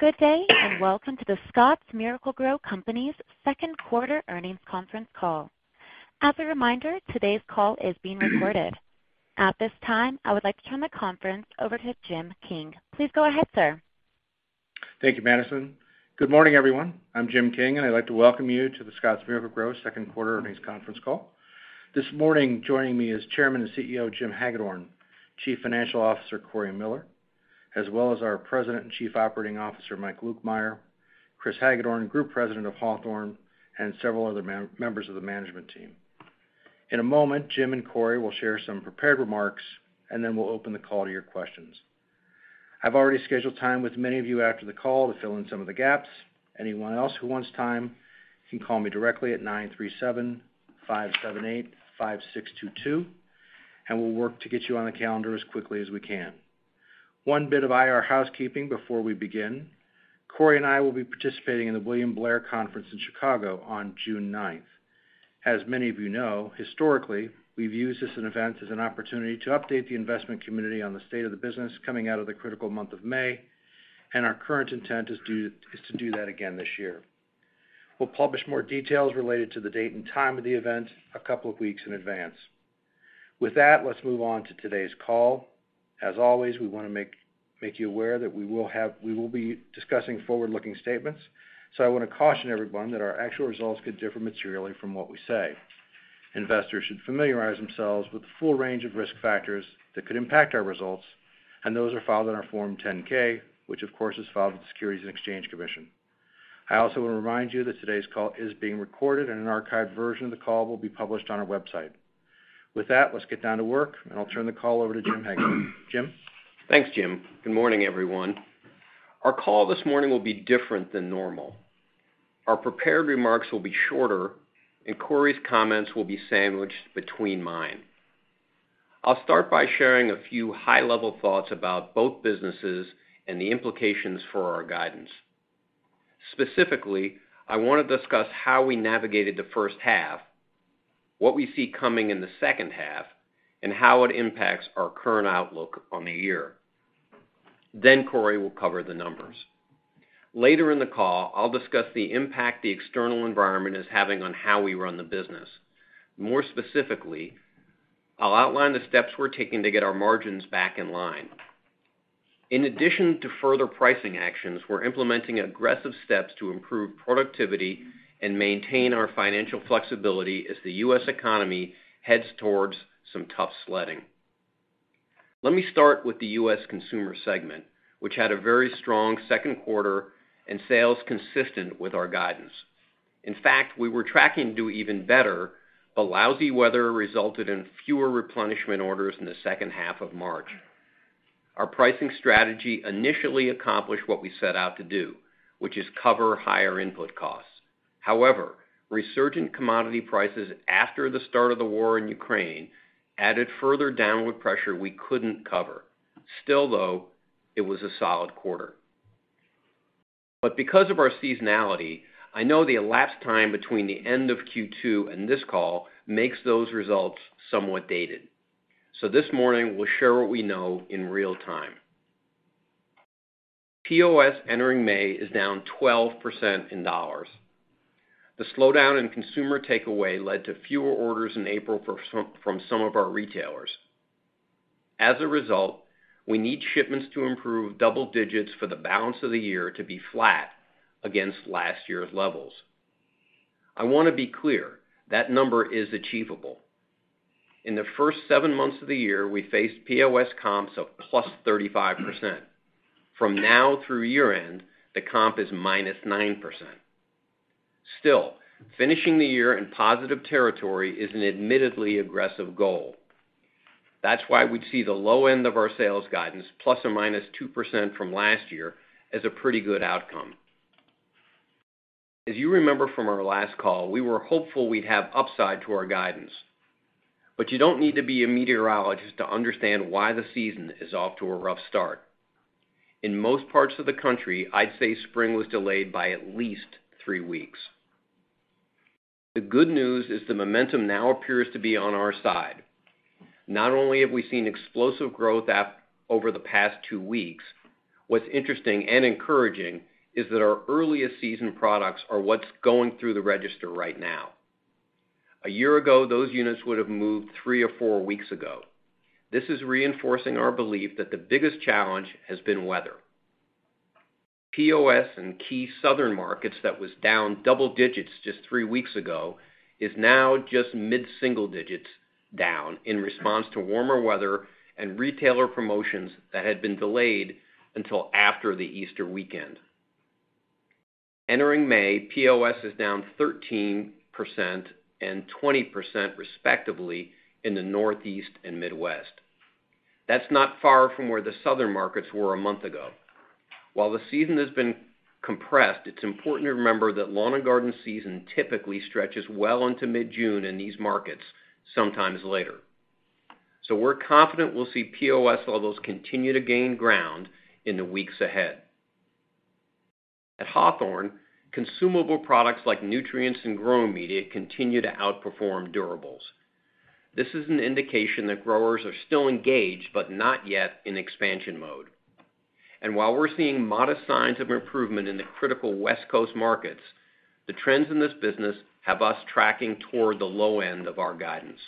Good day, and welcome to The Scotts Miracle-Gro Company's second quarter earnings conference call. As a reminder, today's call is being recorded. At this time, I would like to turn the conference over to Jim King. Please go ahead, sir. Thank you, Madison. Good morning, everyone. I'm Jim King, and I'd like to welcome you to the Scotts Miracle-Gro second quarter earnings conference call. This morning, joining me is Chairman and CEO, Jim Hagedorn, Chief Financial Officer, Cory Miller, as well as our President and Chief Operating Officer, Mike Lukemire, Chris Hagedorn, Group President of Hawthorne, and several other members of the management team. In a moment, Jim and Cory will share some prepared remarks, and then we'll open the call to your questions. I've already scheduled time with many of you after the call to fill in some of the gaps. Anyone else who wants time can call me directly at 937-578-5622, and we'll work to get you on the calendar as quickly as we can. One bit of IR housekeeping before we begin. Cory and I will be participating in the William Blair Conference in Chicago on June 9th. As many of you know, historically, we've used this event as an opportunity to update the investment community on the state of the business coming out of the critical month of May, and our current intent is to do that again this year. We'll publish more details related to the date and time of the event a couple of weeks in advance. With that, let's move on to today's call. As always, we wanna make you aware that we will be discussing forward-looking statements, so I want to caution everyone that our actual results could differ materially from what we say. Investors should familiarize themselves with the full range of risk factors that could impact our results, and those are filed in our Form 10-K, which of course, is filed with the Securities and Exchange Commission. I also want to remind you that today's call is being recorded and an archived version of the call will be published on our website. With that, let's get down to work, and I'll turn the call over to Jim Hagedorn. Jim. Thanks, Jim. Good morning, everyone. Our call this morning will be different than normal. Our prepared remarks will be shorter, and Cory's comments will be sandwiched between mine. I'll start by sharing a few high-level thoughts about both businesses and the implications for our guidance. Specifically, I wanna discuss how we navigated the first half, what we see coming in the second half, and how it impacts our current outlook on the year. Then Cory will cover the numbers. Later in the call, I'll discuss the impact the external environment is having on how we run the business. More specifically, I'll outline the steps we're taking to get our margins back in line. In addition to further pricing actions, we're implementing aggressive steps to improve productivity and maintain our financial flexibility as the U.S. economy heads towards some tough sledding. Let me start with the U.S. consumer segment, which had a very strong second quarter and sales consistent with our guidance. In fact, we were tracking to do even better, but lousy weather resulted in fewer replenishment orders in the second half of March. Our pricing strategy initially accomplished what we set out to do, which is cover higher input costs. Resurgent commodity prices after the start of the war in Ukraine added further downward pressure we couldn't cover. Still, though, it was a solid quarter. Because of our seasonality, I know the elapsed time between the end of Q2 and this call makes those results somewhat dated. This morning, we'll share what we know in real time. POS entering May is down 12% in dollars. The slowdown in consumer takeaway led to fewer orders in April from some of our retailers. As a result, we need shipments to improve double digits for the balance of the year to be flat against last year's levels. I wanna be clear, that number is achievable. In the first seven months of the year, we faced POS comps of +35%. From now through year-end, the comp is -9%. Still, finishing the year in positive territory is an admittedly aggressive goal. That's why we see the low end of our sales guidance, ±2% from last year, as a pretty good outcome. As you remember from our last call, we were hopeful we'd have upside to our guidance. You don't need to be a meteorologist to understand why the season is off to a rough start. In most parts of the country, I'd say spring was delayed by at least three weeks. The good news is the momentum now appears to be on our side. Not only have we seen explosive growth over the past two weeks, what's interesting and encouraging is that our earliest season products are what's going through the register right now. A year ago, those units would have moved three or four weeks ago. This is reinforcing our belief that the biggest challenge has been weather. POS in key Southern markets that was down double digits just three weeks ago, is now just mid-single digits down in response to warmer weather and retailer promotions that had been delayed until after the Easter weekend. Entering May, POS is down 13% and 20%, respectively, in the Northeast and Midwest. That's not far from where the Southern markets were a month ago. While the season has been compressed, it's important to remember that lawn and garden season typically stretches well into mid-June in these markets, sometimes later. We're confident we'll see POS levels continue to gain ground in the weeks ahead. At Hawthorne, consumable products like nutrients and growing media continue to outperform durables. This is an indication that growers are still engaged, but not yet in expansion mode. While we're seeing modest signs of improvement in the critical West Coast markets, the trends in this business have us tracking toward the low end of our guidance.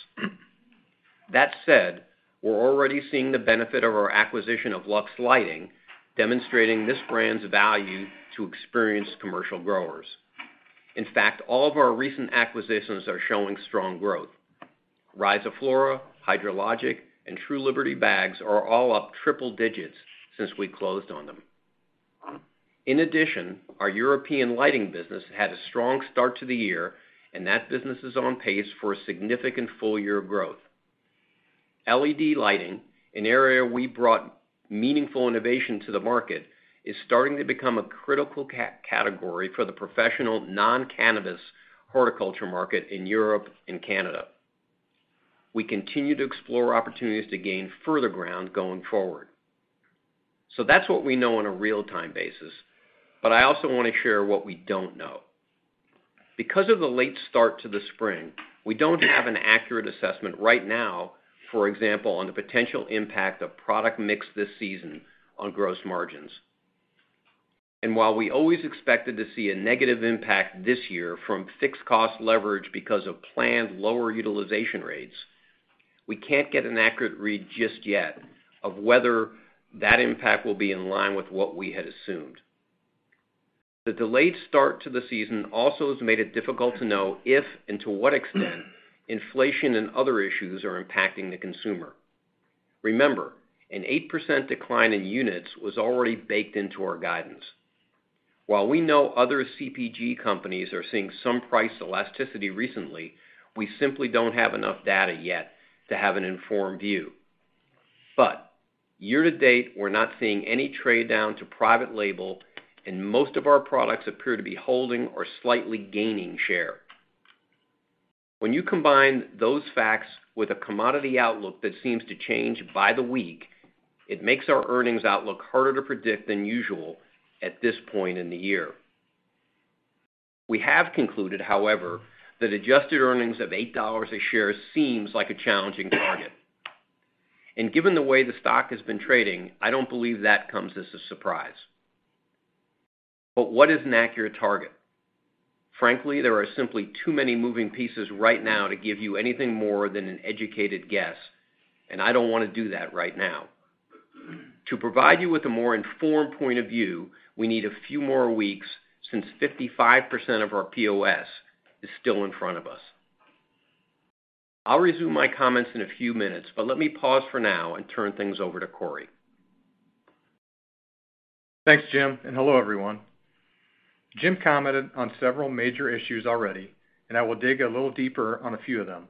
That said, we're already seeing the benefit of our acquisition of Luxx Lighting, demonstrating this brand's value to experienced commercial growers. In fact, all of our recent acquisitions are showing strong growth. Rhizoflora, HydroLogic, and True Liberty Bags are all up triple digits since we closed on them. In addition, our European lighting business had a strong start to the year, and that business is on pace for a significant full-year growth. LED lighting, an area we brought meaningful innovation to the market, is starting to become a critical category for the professional non-cannabis horticulture market in Europe and Canada. We continue to explore opportunities to gain further ground going forward. That's what we know on a real-time basis, but I also wanna share what we don't know. Because of the late start to the spring, we don't have an accurate assessment right now, for example, on the potential impact of product mix this season on gross margins. While we always expected to see a negative impact this year from fixed cost leverage because of planned lower utilization rates, we can't get an accurate read just yet of whether that impact will be in line with what we had assumed. The delayed start to the season also has made it difficult to know if and to what extent inflation and other issues are impacting the consumer. Remember, an 8% decline in units was already baked into our guidance. While we know other CPG companies are seeing some price elasticity recently, we simply don't have enough data yet to have an informed view. Year to date, we're not seeing any trade down to private label, and most of our products appear to be holding or slightly gaining share. When you combine those facts with a commodity outlook that seems to change by the week, it makes our earnings outlook harder to predict than usual at this point in the year. We have concluded, however, that adjusted earnings of $8 a share seems like a challenging target. Given the way the stock has been trading, I don't believe that comes as a surprise. What is an accurate target? Frankly, there are simply too many moving pieces right now to give you anything more than an educated guess, and I don't wanna do that right now. To provide you with a more informed point of view, we need a few more weeks since 55% of our POS is still in front of us. I'll resume my comments in a few minutes, but let me pause for now and turn things over to Cory. Thanks, Jim, and hello, everyone. Jim commented on several major issues already, and I will dig a little deeper on a few of them.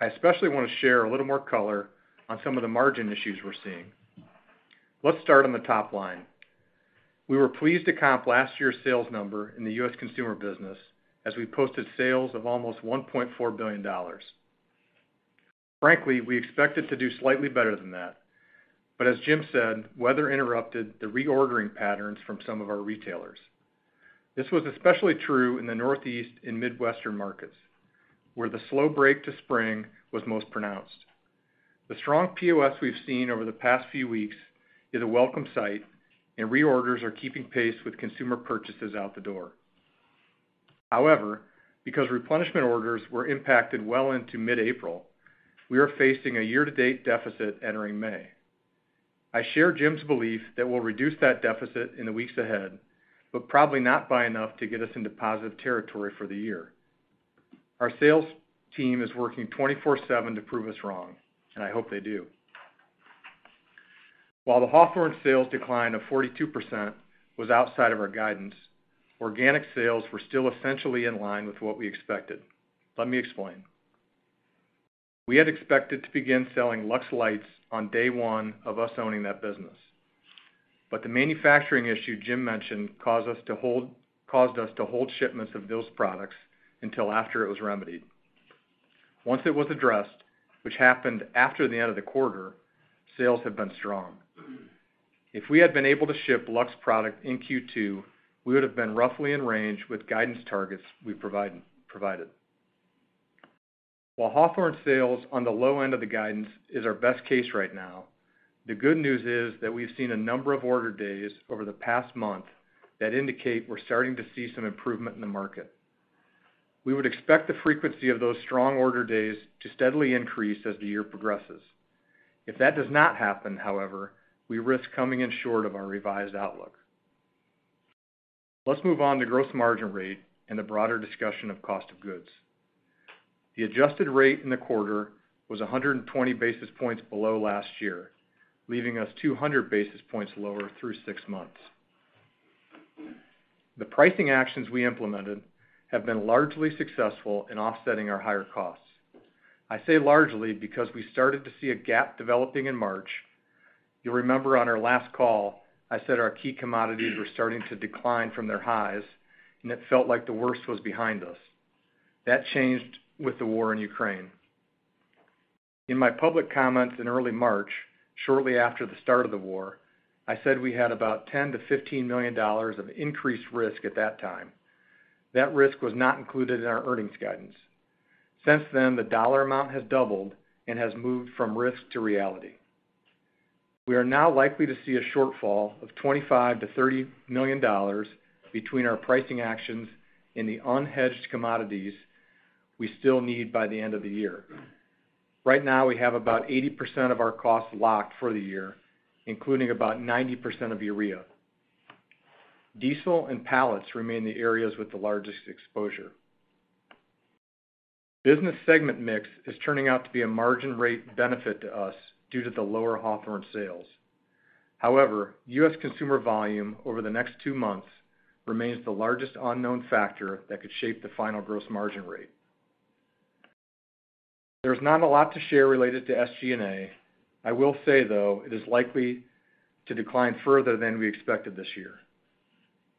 I especially wanna share a little more color on some of the margin issues we're seeing. Let's start on the top line. We were pleased to comp last year's sales number in the U.S. consumer business as we posted sales of almost $1.4 billion. Frankly, we expected to do slightly better than that. As Jim said, weather interrupted the reordering patterns from some of our retailers. This was especially true in the Northeast and Midwestern markets, where the slow break to spring was most pronounced. The strong POS we've seen over the past few weeks is a welcome sight, and reorders are keeping pace with consumer purchases out the door. However, because replenishment orders were impacted well into mid-April, we are facing a year-to-date deficit entering May. I share Jim's belief that we'll reduce that deficit in the weeks ahead, but probably not by enough to get us into positive territory for the year. Our sales team is working 24/7 to prove us wrong, and I hope they do. While the Hawthorne sales decline of 42% was outside of our guidance, organic sales were still essentially in line with what we expected. Let me explain. We had expected to begin selling Luxx lights on day one of us owning that business. The manufacturing issue Jim mentioned caused us to hold shipments of those products until after it was remedied. Once it was addressed, which happened after the end of the quarter, sales have been strong. If we had been able to ship Luxx product in Q2, we would have been roughly in range with guidance targets we provided. While Hawthorne sales on the low end of the guidance is our best case right now, the good news is that we've seen a number of order days over the past month that indicate we're starting to see some improvement in the market. We would expect the frequency of those strong order days to steadily increase as the year progresses. If that does not happen, however, we risk coming in short of our revised outlook. Let's move on to gross margin rate and a broader discussion of cost of goods. The adjusted rate in the quarter was 100 basis points below last year, leaving us 200 basis points lower through six months. The pricing actions we implemented have been largely successful in offsetting our higher costs. I say largely because we started to see a gap developing in March. You'll remember on our last call, I said our key commodities were starting to decline from their highs, and it felt like the worst was behind us. That changed with the war in Ukraine. In my public comments in early March, shortly after the start of the war, I said we had about $10 million-$15 million of increased risk at that time. That risk was not included in our earnings guidance. Since then, the dollar amount has doubled and has moved from risk to reality. We are now likely to see a shortfall of $25 million-$30 million between our pricing actions in the unhedged commodities we still need by the end of the year. Right now, we have about 80% of our costs locked for the year, including about 90% of urea. Diesel and pallets remain the areas with the largest exposure. Business segment mix is turning out to be a margin rate benefit to us due to the lower Hawthorne sales. However, U.S. consumer volume over the next two months remains the largest unknown factor that could shape the final gross margin rate. There's not a lot to share related to SG&A. I will say, though, it is likely to decline further than we expected this year.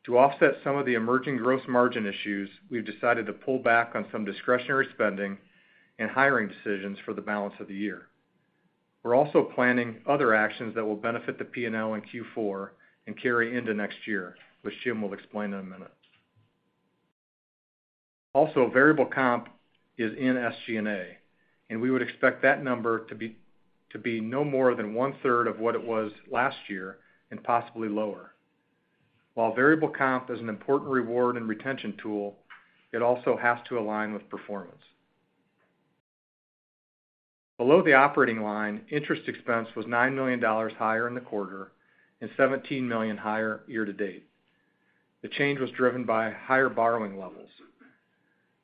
To offset some of the emerging gross margin issues, we've decided to pull back on some discretionary spending and hiring decisions for the balance of the year. We're also planning other actions that will benefit the P&L in Q4 and carry into next year, which Jim will explain in a minute. Also, variable comp is in SG&A, and we would expect that number to be no more than 1/3 of what it was last year and possibly lower. While variable comp is an important reward and retention tool, it also has to align with performance. Below the operating line, interest expense was $9 million higher in the quarter and $17 million higher year to date. The change was driven by higher borrowing levels.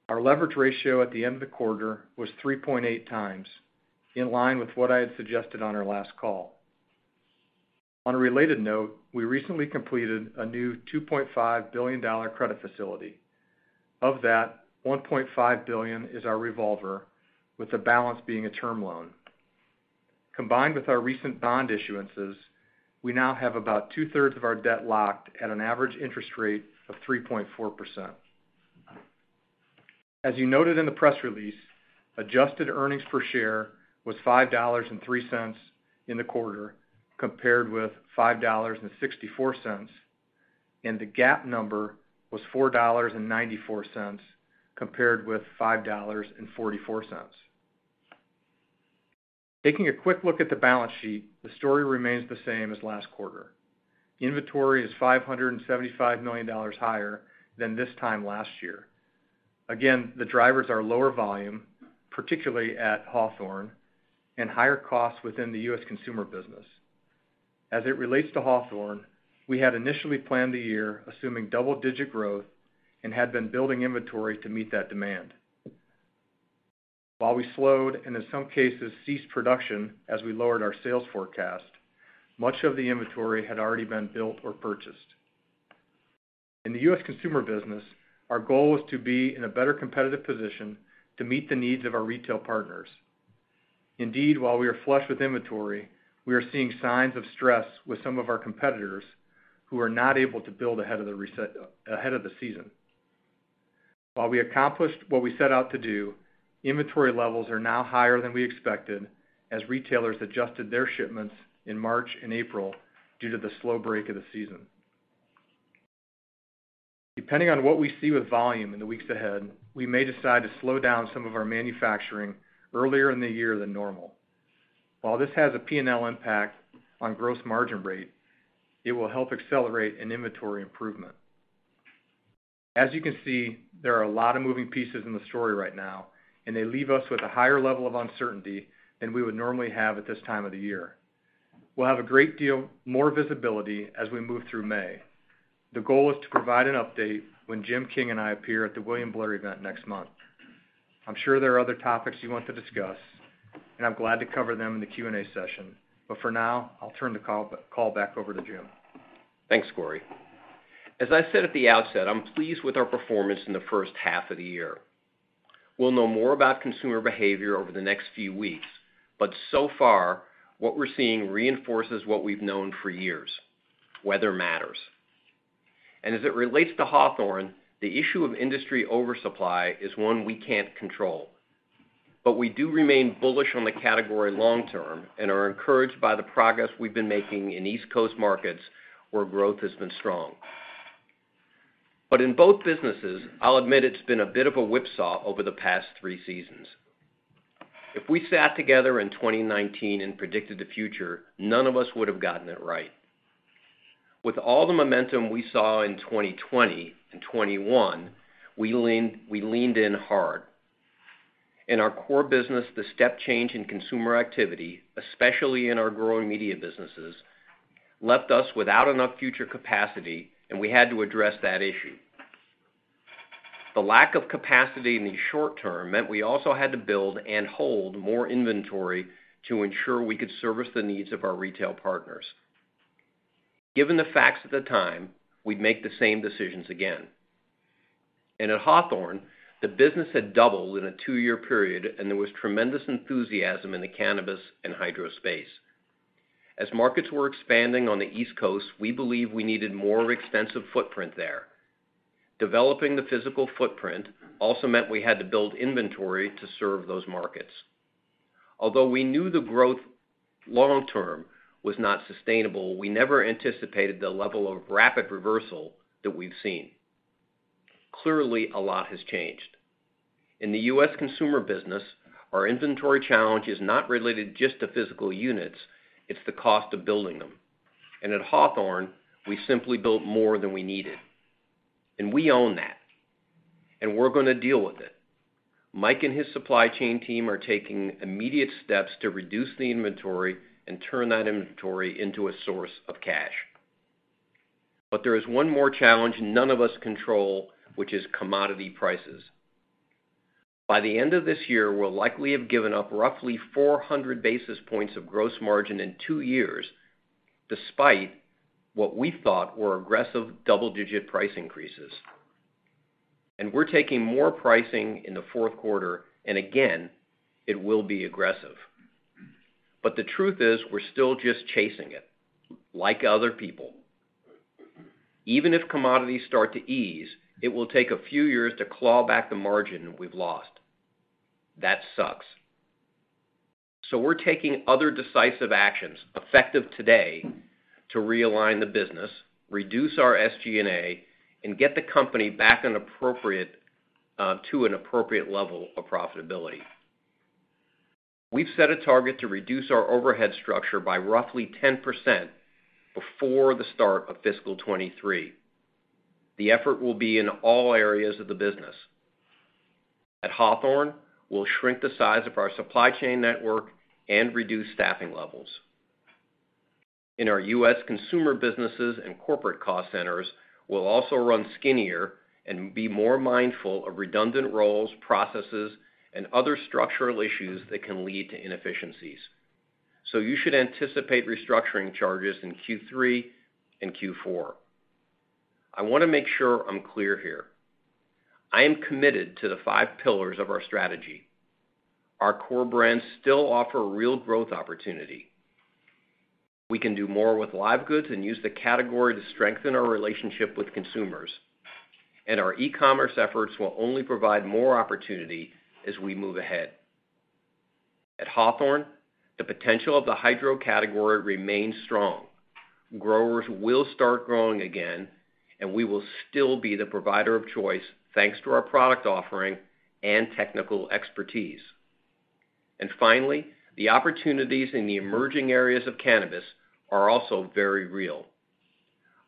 Our leverage ratio at the end of the quarter was 3.8x, in line with what I had suggested on our last call. On a related note, we recently completed a new $2.5 billion credit facility. Of that, $1.5 billion is our revolver, with the balance being a term loan. Combined with our recent bond issuances, we now have about 2/3 of our debt locked at an average interest rate of 3.4%. As you noted in the press release, adjusted earnings per share was $5.03 in the quarter compared with $5.64, and the GAAP number was $4.94 compared with $5.44. Taking a quick look at the balance sheet, the story remains the same as last quarter. Inventory is $575 million higher than this time last year. Again, the drivers are lower volume, particularly at Hawthorne and higher costs within the U.S. consumer business. As it relates to Hawthorne, we had initially planned the year assuming double-digit growth and had been building inventory to meet that demand. While we slowed and in some cases ceased production as we lowered our sales forecast, much of the inventory had already been built or purchased. In the U.S. consumer business, our goal was to be in a better competitive position to meet the needs of our retail partners. Indeed, while we are flushed with inventory, we are seeing signs of stress with some of our competitors who are not able to build ahead of the season. While we accomplished what we set out to do, inventory levels are now higher than we expected as retailers adjusted their shipments in March and April due to the slow start of the season. Depending on what we see with volume in the weeks ahead, we may decide to slow down some of our manufacturing earlier in the year than normal. While this has a P&L impact on gross margin rate, it will help accelerate an inventory improvement. As you can see, there are a lot of moving pieces in the story right now, and they leave us with a higher level of uncertainty than we would normally have at this time of the year. We'll have a great deal more visibility as we move through May. The goal is to provide an update when Jim King and I appear at the William Blair event next month. I'm sure there are other topics you want to discuss, and I'm glad to cover them in the Q&A session, but for now, I'll turn the call back over to Jim. Thanks, Cory. As I said at the outset, I'm pleased with our performance in the first half of the year. We'll know more about consumer behavior over the next few weeks, but so far, what we're seeing reinforces what we've known for years, weather matters. As it relates to Hawthorne, the issue of industry oversupply is one we can't control. We do remain bullish on the category long term and are encouraged by the progress we've been making in East Coast markets where growth has been strong. In both businesses, I'll admit it's been a bit of a whipsaw over the past three seasons. If we sat together in 2019 and predicted the future, none of us would have gotten it right. With all the momentum we saw in 2020 and 2021, we leaned in hard. In our core business, the step change in consumer activity, especially in our growing media businesses, left us without enough future capacity, and we had to address that issue. The lack of capacity in the short term meant we also had to build and hold more inventory to ensure we could service the needs of our retail partners. Given the facts at the time, we'd make the same decisions again. At Hawthorne, the business had doubled in a two-year period, and there was tremendous enthusiasm in the cannabis and hydro space. As markets were expanding on the East Coast, we believe we needed more extensive footprint there. Developing the physical footprint also meant we had to build inventory to serve those markets. Although we knew the growth long term was not sustainable, we never anticipated the level of rapid reversal that we've seen. Clearly, a lot has changed. In the U.S. consumer business, our inventory challenge is not related just to physical units, it's the cost of building them. At Hawthorne, we simply built more than we needed, and we own that, and we're gonna deal with it. Mike and his supply chain team are taking immediate steps to reduce the inventory and turn that inventory into a source of cash. There is one more challenge none of us control, which is commodity prices. By the end of this year, we'll likely have given up roughly 400 basis points of gross margin in two years, despite what we thought were aggressive double-digit price increases. We're taking more pricing in the fourth quarter, and again, it will be aggressive. The truth is, we're still just chasing it, like other people. Even if commodities start to ease, it will take a few years to claw back the margin we've lost. That sucks. We're taking other decisive actions, effective today, to realign the business, reduce our SG&A, and get the company back on appropriate, to an appropriate level of profitability. We've set a target to reduce our overhead structure by roughly 10% before the start of fiscal 2023. The effort will be in all areas of the business. At Hawthorne, we'll shrink the size of our supply chain network and reduce staffing levels. In our U.S. consumer businesses and corporate cost centers, we'll also run skinnier and be more mindful of redundant roles, processes, and other structural issues that can lead to inefficiencies. You should anticipate restructuring charges in Q3 and Q4. I wanna make sure I'm clear here. I am committed to the five pillars of our strategy. Our core brands still offer real growth opportunity. We can do more with live goods and use the category to strengthen our relationship with consumers. Our e-commerce efforts will only provide more opportunity as we move ahead. At Hawthorne, the potential of the hydro category remains strong. Growers will start growing again, and we will still be the provider of choice, thanks to our product offering and technical expertise. Finally, the opportunities in the emerging areas of cannabis are also very real.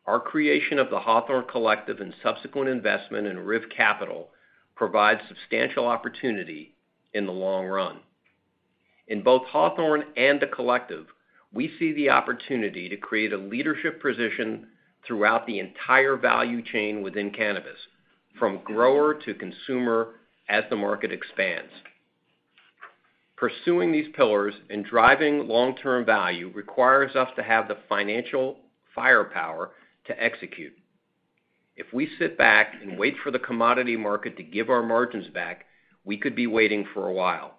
Our creation of the Hawthorne Collective and subsequent investment in RIV Capital provides substantial opportunity in the long run. In both Hawthorne and the Collective, we see the opportunity to create a leadership position throughout the entire value chain within cannabis, from grower to consumer, as the market expands. Pursuing these pillars and driving long-term value requires us to have the financial firepower to execute. If we sit back and wait for the commodity market to give our margins back, we could be waiting for a while.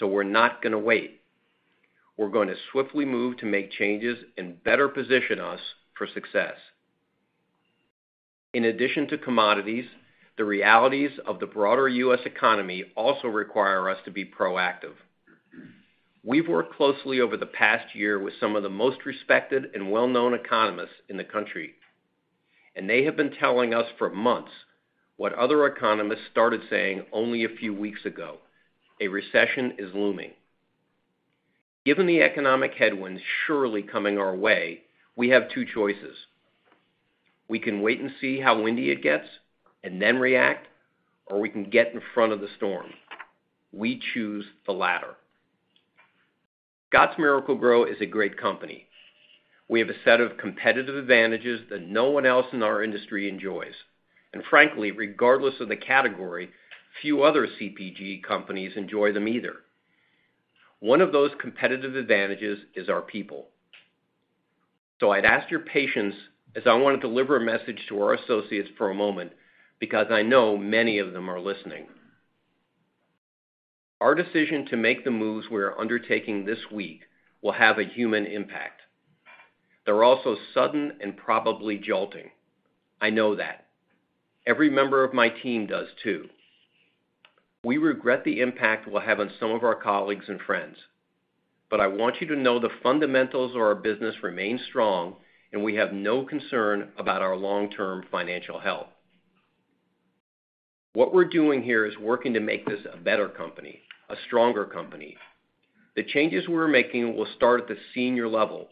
We're not gonna wait. We're gonna swiftly move to make changes and better position us for success. In addition to commodities, the realities of the broader U.S. economy also require us to be proactive. We've worked closely over the past year with some of the most respected and well-known economists in the country, and they have been telling us for months what other economists started saying only a few weeks ago: a recession is looming. Given the economic headwinds surely coming our way, we have two choices. We can wait and see how windy it gets and then react, or we can get in front of the storm. We choose the latter. Scotts Miracle-Gro is a great company. We have a set of competitive advantages that no one else in our industry enjoys. Frankly, regardless of the category, few other CPG companies enjoy them either. One of those competitive advantages is our people. I'd ask your patience as I wanna deliver a message to our associates for a moment because I know many of them are listening. Our decision to make the moves we are undertaking this week will have a human impact. They're also sudden and probably jolting. I know that. Every member of my team does, too. We regret the impact it will have on some of our colleagues and friends, but I want you to know the fundamentals of our business remain strong, and we have no concern about our long-term financial health. What we're doing here is working to make this a better company, a stronger company. The changes we're making will start at the senior level,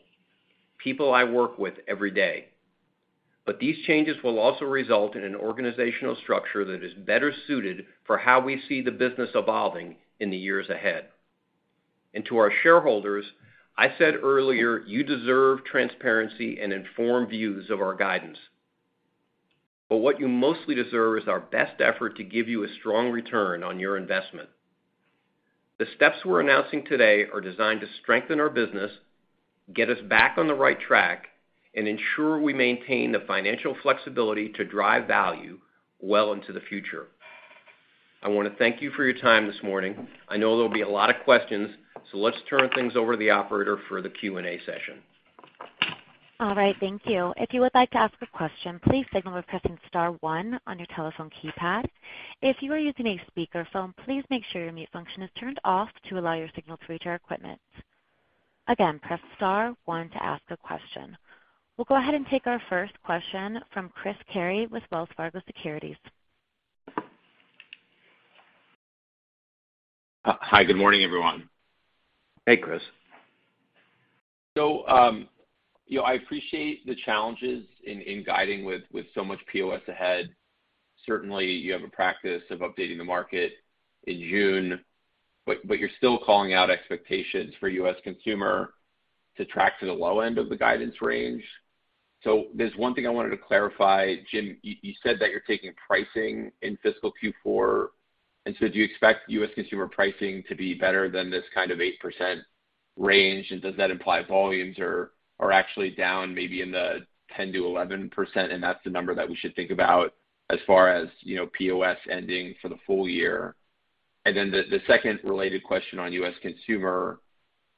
people I work with every day. These changes will also result in an organizational structure that is better suited for how we see the business evolving in the years ahead. To our shareholders, I said earlier, you deserve transparency and informed views of our guidance. What you mostly deserve is our best effort to give you a strong return on your investment. The steps we're announcing today are designed to strengthen our business, get us back on the right track, and ensure we maintain the financial flexibility to drive value well into the future. I wanna thank you for your time this morning. I know there'll be a lot of questions, so let's turn things over to the operator for the Q&A session. All right. Thank you. If you would like to ask a question, please signal by pressing star one on your telephone keypad. If you are using a speakerphone, please make sure your mute function is turned off to allow your signal to reach our equipment. Again, press star one to ask a question. We'll go ahead and take our first question from Chris Carey with Wells Fargo Securities. Hi. Good morning, everyone. Hey, Chris. I appreciate the challenges in guiding with so much POS ahead. Certainly, you have a practice of updating the market in June, but you're still calling out expectations for U.S. consumer to track to the low end of the guidance range. There's one thing I wanted to clarify. Jim, you said that you're taking pricing in fiscal Q4, and so do you expect U.S. consumer pricing to be better than this kind of 8% range? And does that imply volumes are actually down maybe in the 10%-11%, and that's the number that we should think about as far as, you know, POS ending for the full year? And then the second related question on U.S. consumer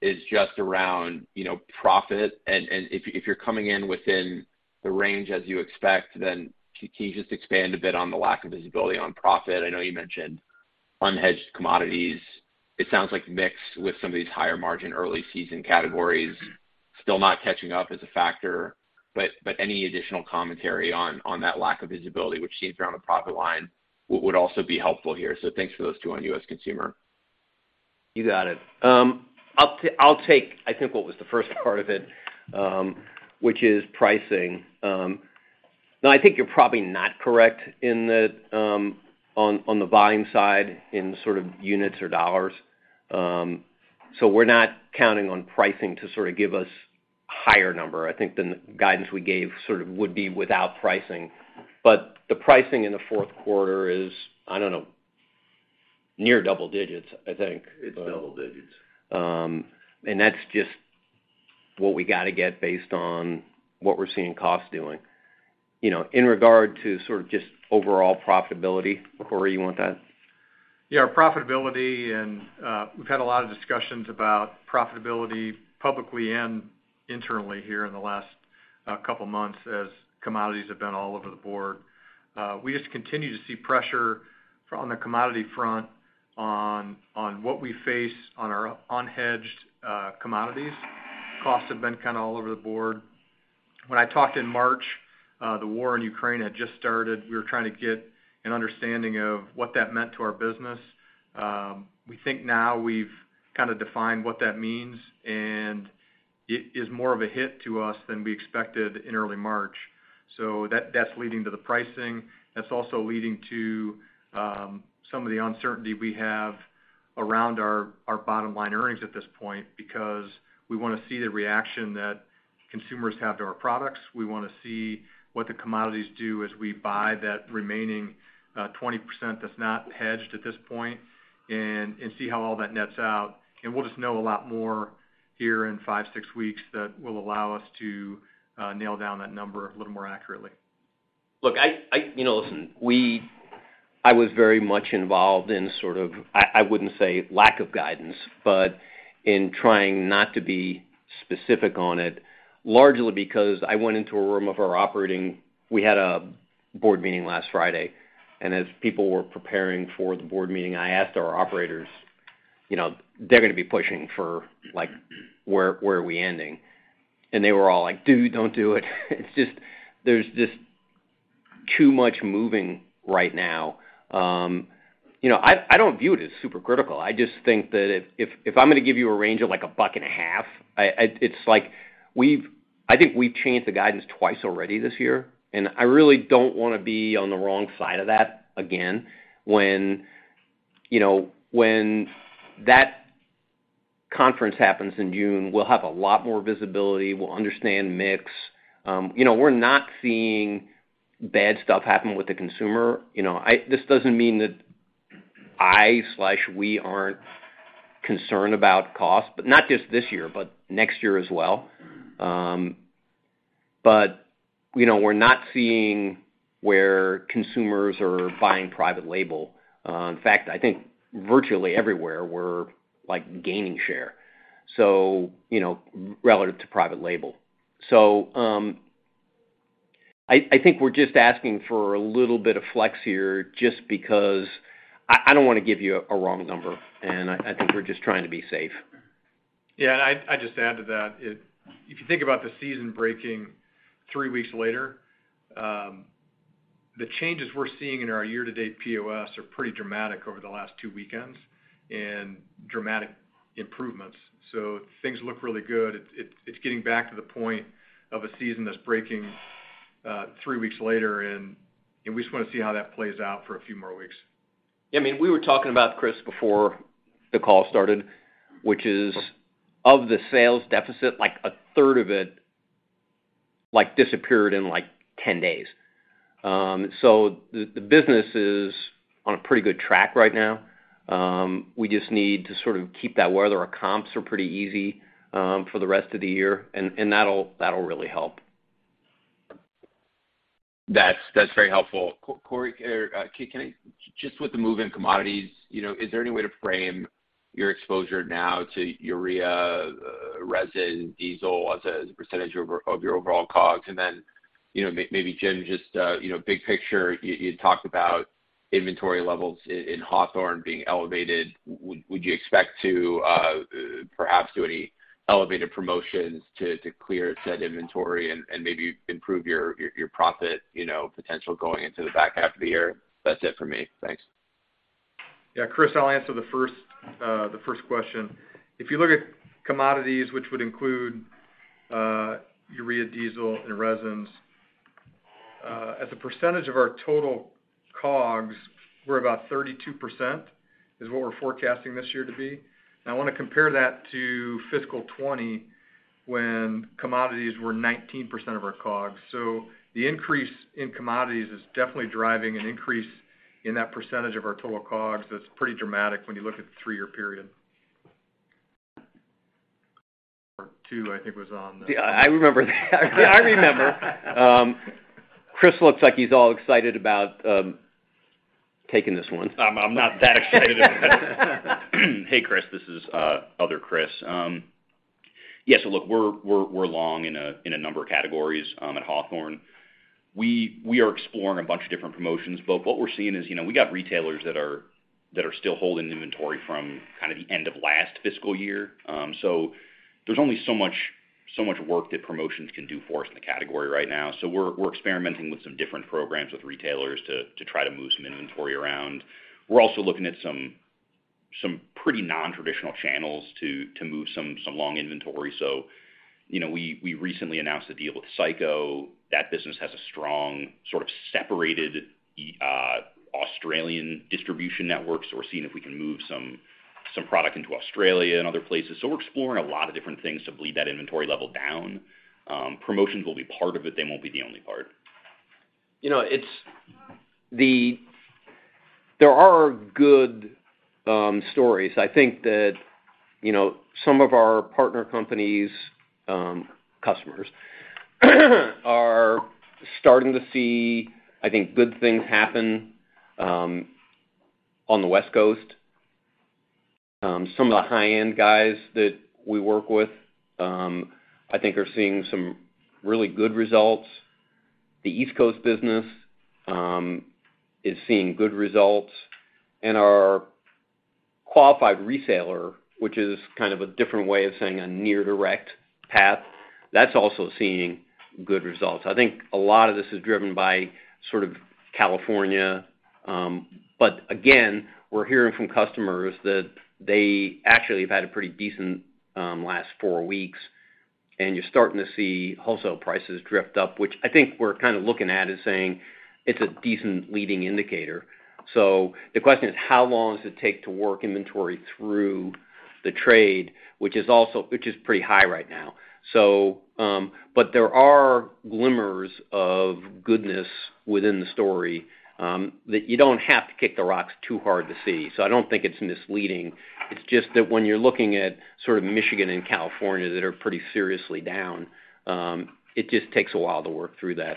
is just around, you know, profit. If you're coming in within the range as you expect, then can you just expand a bit on the lack of visibility on profit? I know you mentioned unhedged commodities. It sounds like mix with some of these higher margin early season categories, still not catching up as a factor. But any additional commentary on that lack of visibility, which seems around the profit line would also be helpful here. Thanks for those two on U.S. consumer. You got it. I'll take, I think, what was the first part of it, which is pricing. No, I think you're probably not correct in that, on the volume side in sort of units or dollars. We're not counting on pricing to sort of give us higher number. I think the guidance we gave sort of would be without pricing. The pricing in the fourth quarter is, I don't know, near double digits, I think. It's double digits. That's just what we gotta get based on what we're seeing costs doing. You know, in regard to sort of just overall profitability, Cory, you want that? Yeah. Profitability and we've had a lot of discussions about profitability publicly and internally here in the last couple months as commodities have been all over the board. We just continue to see pressure from the commodity front on what we face on our unhedged commodities. Costs have been kind of all over the board. When I talked in March, the war in Ukraine had just started. We were trying to get an understanding of what that meant to our business. We think now we've kind of defined what that means, and it is more of a hit to us than we expected in early March. That that's leading to the pricing. That's also leading to some of the uncertainty we have around our bottom line earnings at this point because we wanna see the reaction that consumers have to our products. We wanna see what the commodities do as we buy that remaining 20% that's not hedged at this point and see how all that nets out. We'll just know a lot more here in five, six weeks that will allow us to nail down that number a little more accurately. Look, you know, listen, I was very much involved in sort of, I wouldn't say lack of guidance, but in trying not to be specific on it, largely because we had a board meeting last Friday, and as people were preparing for the board meeting, I asked our operators, you know, they're gonna be pushing for, like, where are we ending? They were all like, "Dude, don't do it." It's just there's too much moving right now. You know, I don't view it as super critical. I just think that if I'm gonna give you a range of like $1.50, it's like we've changed the guidance twice already this year, and I really don't wanna be on the wrong side of that again. When that conference happens in June, we'll have a lot more visibility. We'll understand mix. You know, we're not seeing bad stuff happen with the consumer. You know, this doesn't mean that I/we aren't concerned about cost, but not just this year, but next year as well. But you know, we're not seeing where consumers are buying private label. In fact, I think virtually everywhere we're like gaining share, so you know, relative to private label. I think we're just asking for a little bit of flex here just because I don't wanna give you a wrong number, and I think we're just trying to be safe. Yeah. I just add to that. If you think about the season breaking three weeks later, the changes we're seeing in our year-to-date POS are pretty dramatic over the last two weekends and dramatic improvements. Things look really good. It's getting back to the point of a season that's breaking three weeks later, and we just wanna see how that plays out for a few more weeks. Yeah. I mean, we were talking about, Chris, before the call started, which is, of the sales deficit, like, a third of it, like, disappeared in, like, 10 days. The business is on a pretty good track right now. We just need to sort of keep that weather. Our comps are pretty easy for the rest of the year, and that'll really help. That's very helpful. Cory, can I just with the move in commodities, you know, is there any way to frame your exposure now to urea, resin, diesel as a percentage of your overall COGS? And then, you know, maybe Jim, just, you know, big picture, you talked about inventory levels in Hawthorne being elevated. Would you expect to perhaps do any elevated promotions to clear said inventory and maybe improve your profit, you know, potential going into the back half of the year? That's it for me. Thanks. Yeah, Chris, I'll answer the first question. If you look at commodities, which would include urea, diesel, and resins, as a percentage of our total COGS were about 32%, is what we're forecasting this year to be. I wanna compare that to fiscal 2020 when commodities were 19% of our COGS. The increase in commodities is definitely driving an increase in that percentage of our total COGS. That's pretty dramatic when you look at the three-year period. Yeah, I remember that. Chris looks like he's all excited about taking this one. I'm not that excited. Hey, Chris, this is other Chris. Yeah, look, we're long in a number of categories at Hawthorne. We are exploring a bunch of different promotions, but what we're seeing is, you know, we got retailers that are still holding inventory from kind of the end of last fiscal year. There's only so much work that promotions can do for us in the category right now. We're experimenting with some different programs with retailers to try to move some inventory around. We're also looking at some pretty non-traditional channels to move some long inventory. You know, we recently announced a deal with Psycho. That business has a strong, sort of separated Australian distribution network. We're seeing if we can move some product into Australia and other places. We're exploring a lot of different things to bleed that inventory level down. Promotions will be part of it. They won't be the only part. You know, there are good stories. I think that, you know, some of our partner companies' customers are starting to see, I think good things happen on the West Coast. Some of the high-end guys that we work with, I think are seeing some really good results. The East Coast business is seeing good results. Our qualified reseller, which is kind of a different way of saying a near direct path, that's also seeing good results. I think a lot of this is driven by sort of California. Again, we're hearing from customers that they actually have had a pretty decent last four weeks, and you're starting to see wholesale prices drift up, which I think we're kind of looking at is saying it's a decent leading indicator. The question is: how long does it take to work inventory through the trade, which is pretty high right now. There are glimmers of goodness within the story that you don't have to kick the rocks too hard to see. I don't think it's misleading. It's just that when you're looking at sort of Michigan and California that are pretty seriously down, it just takes a while to work through that.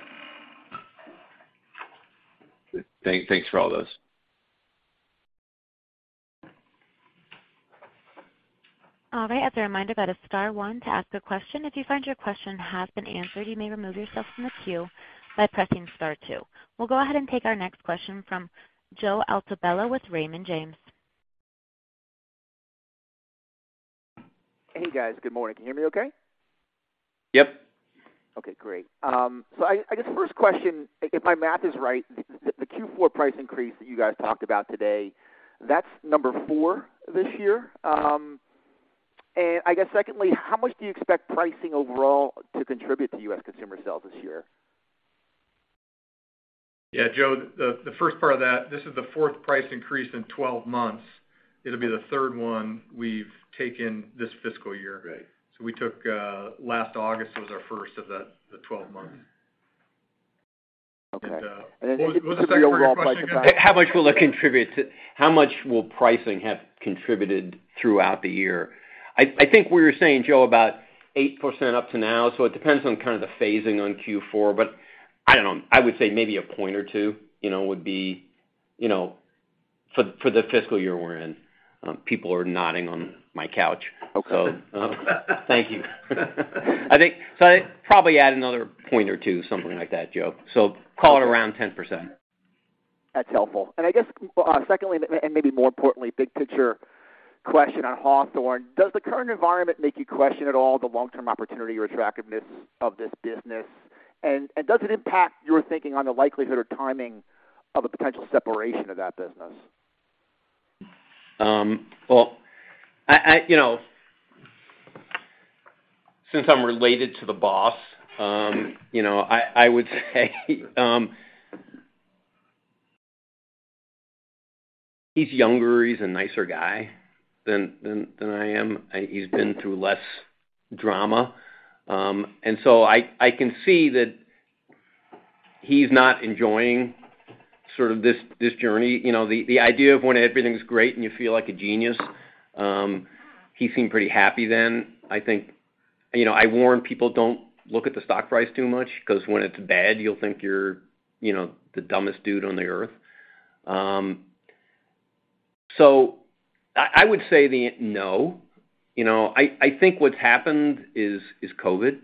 Thanks for all those. All right. As a reminder, that is star one to ask a question. If you find your question has been answered, you may remove yourself from the queue by pressing star two. We'll go ahead and take our next question from Joe Altobello with Raymond James. Hey, guys. Good morning. Can you hear me okay? Yep. Okay, great. I guess the first question, if my math is right, the Q4 price increase that you guys talked about today, that's number four this year. I guess secondly, how much do you expect pricing overall to contribute to U.S. consumer sales this year? Yeah, Joe, the first part of that, this is the fourth price increase in 12 months. It'll be the third one we've taken this fiscal year. Right. We took last August as our first of the 12 months. Okay. What was the second question again? How much will pricing have contributed throughout the year? I think we were saying, Joe, about 8% up to now, so it depends on kind of the phasing on Q4. I don't know. I would say maybe a point or two, you know, would be, you know, for the fiscal year we're in. People are nodding on my couch. Okay. Thank you. I probably add another point or two, something like that, Joe. Call it around 10%. That's helpful. I guess, secondly, and maybe more importantly, big picture question on Hawthorne. Does the current environment make you question at all the long-term opportunity or attractiveness of this business? Does it impact your thinking on the likelihood or timing of a potential separation of that business? Well, you know, since I'm related to the boss, you know, I would say, he's younger, he's a nicer guy than I am. He's been through less drama. I can see that he's not enjoying sort of this journey, you know, the idea of when everything's great and you feel like a genius, he seemed pretty happy then. I think, you know, I warn people, don't look at the stock price too much because when it's bad, you'll think you're, you know, the dumbest dude on the earth. You know, I think what's happened is COVID.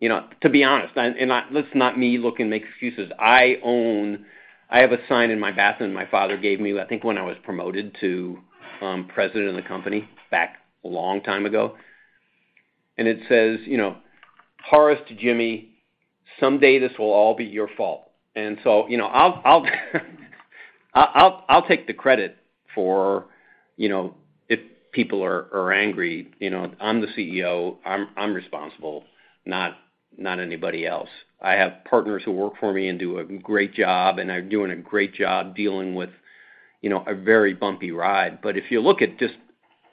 You know, to be honest, and let's not make excuses. I own. I have a sign in my bathroom my father gave me, I think when I was promoted to president of the company back a long time ago. It says, you know, "Horace to Jimmy: Someday this will all be your fault." I'll take the credit for, you know, if people are angry, you know. I'm the CEO, I'm responsible, not anybody else. I have partners who work for me and do a great job, and are doing a great job dealing with, you know, a very bumpy ride. If you look at just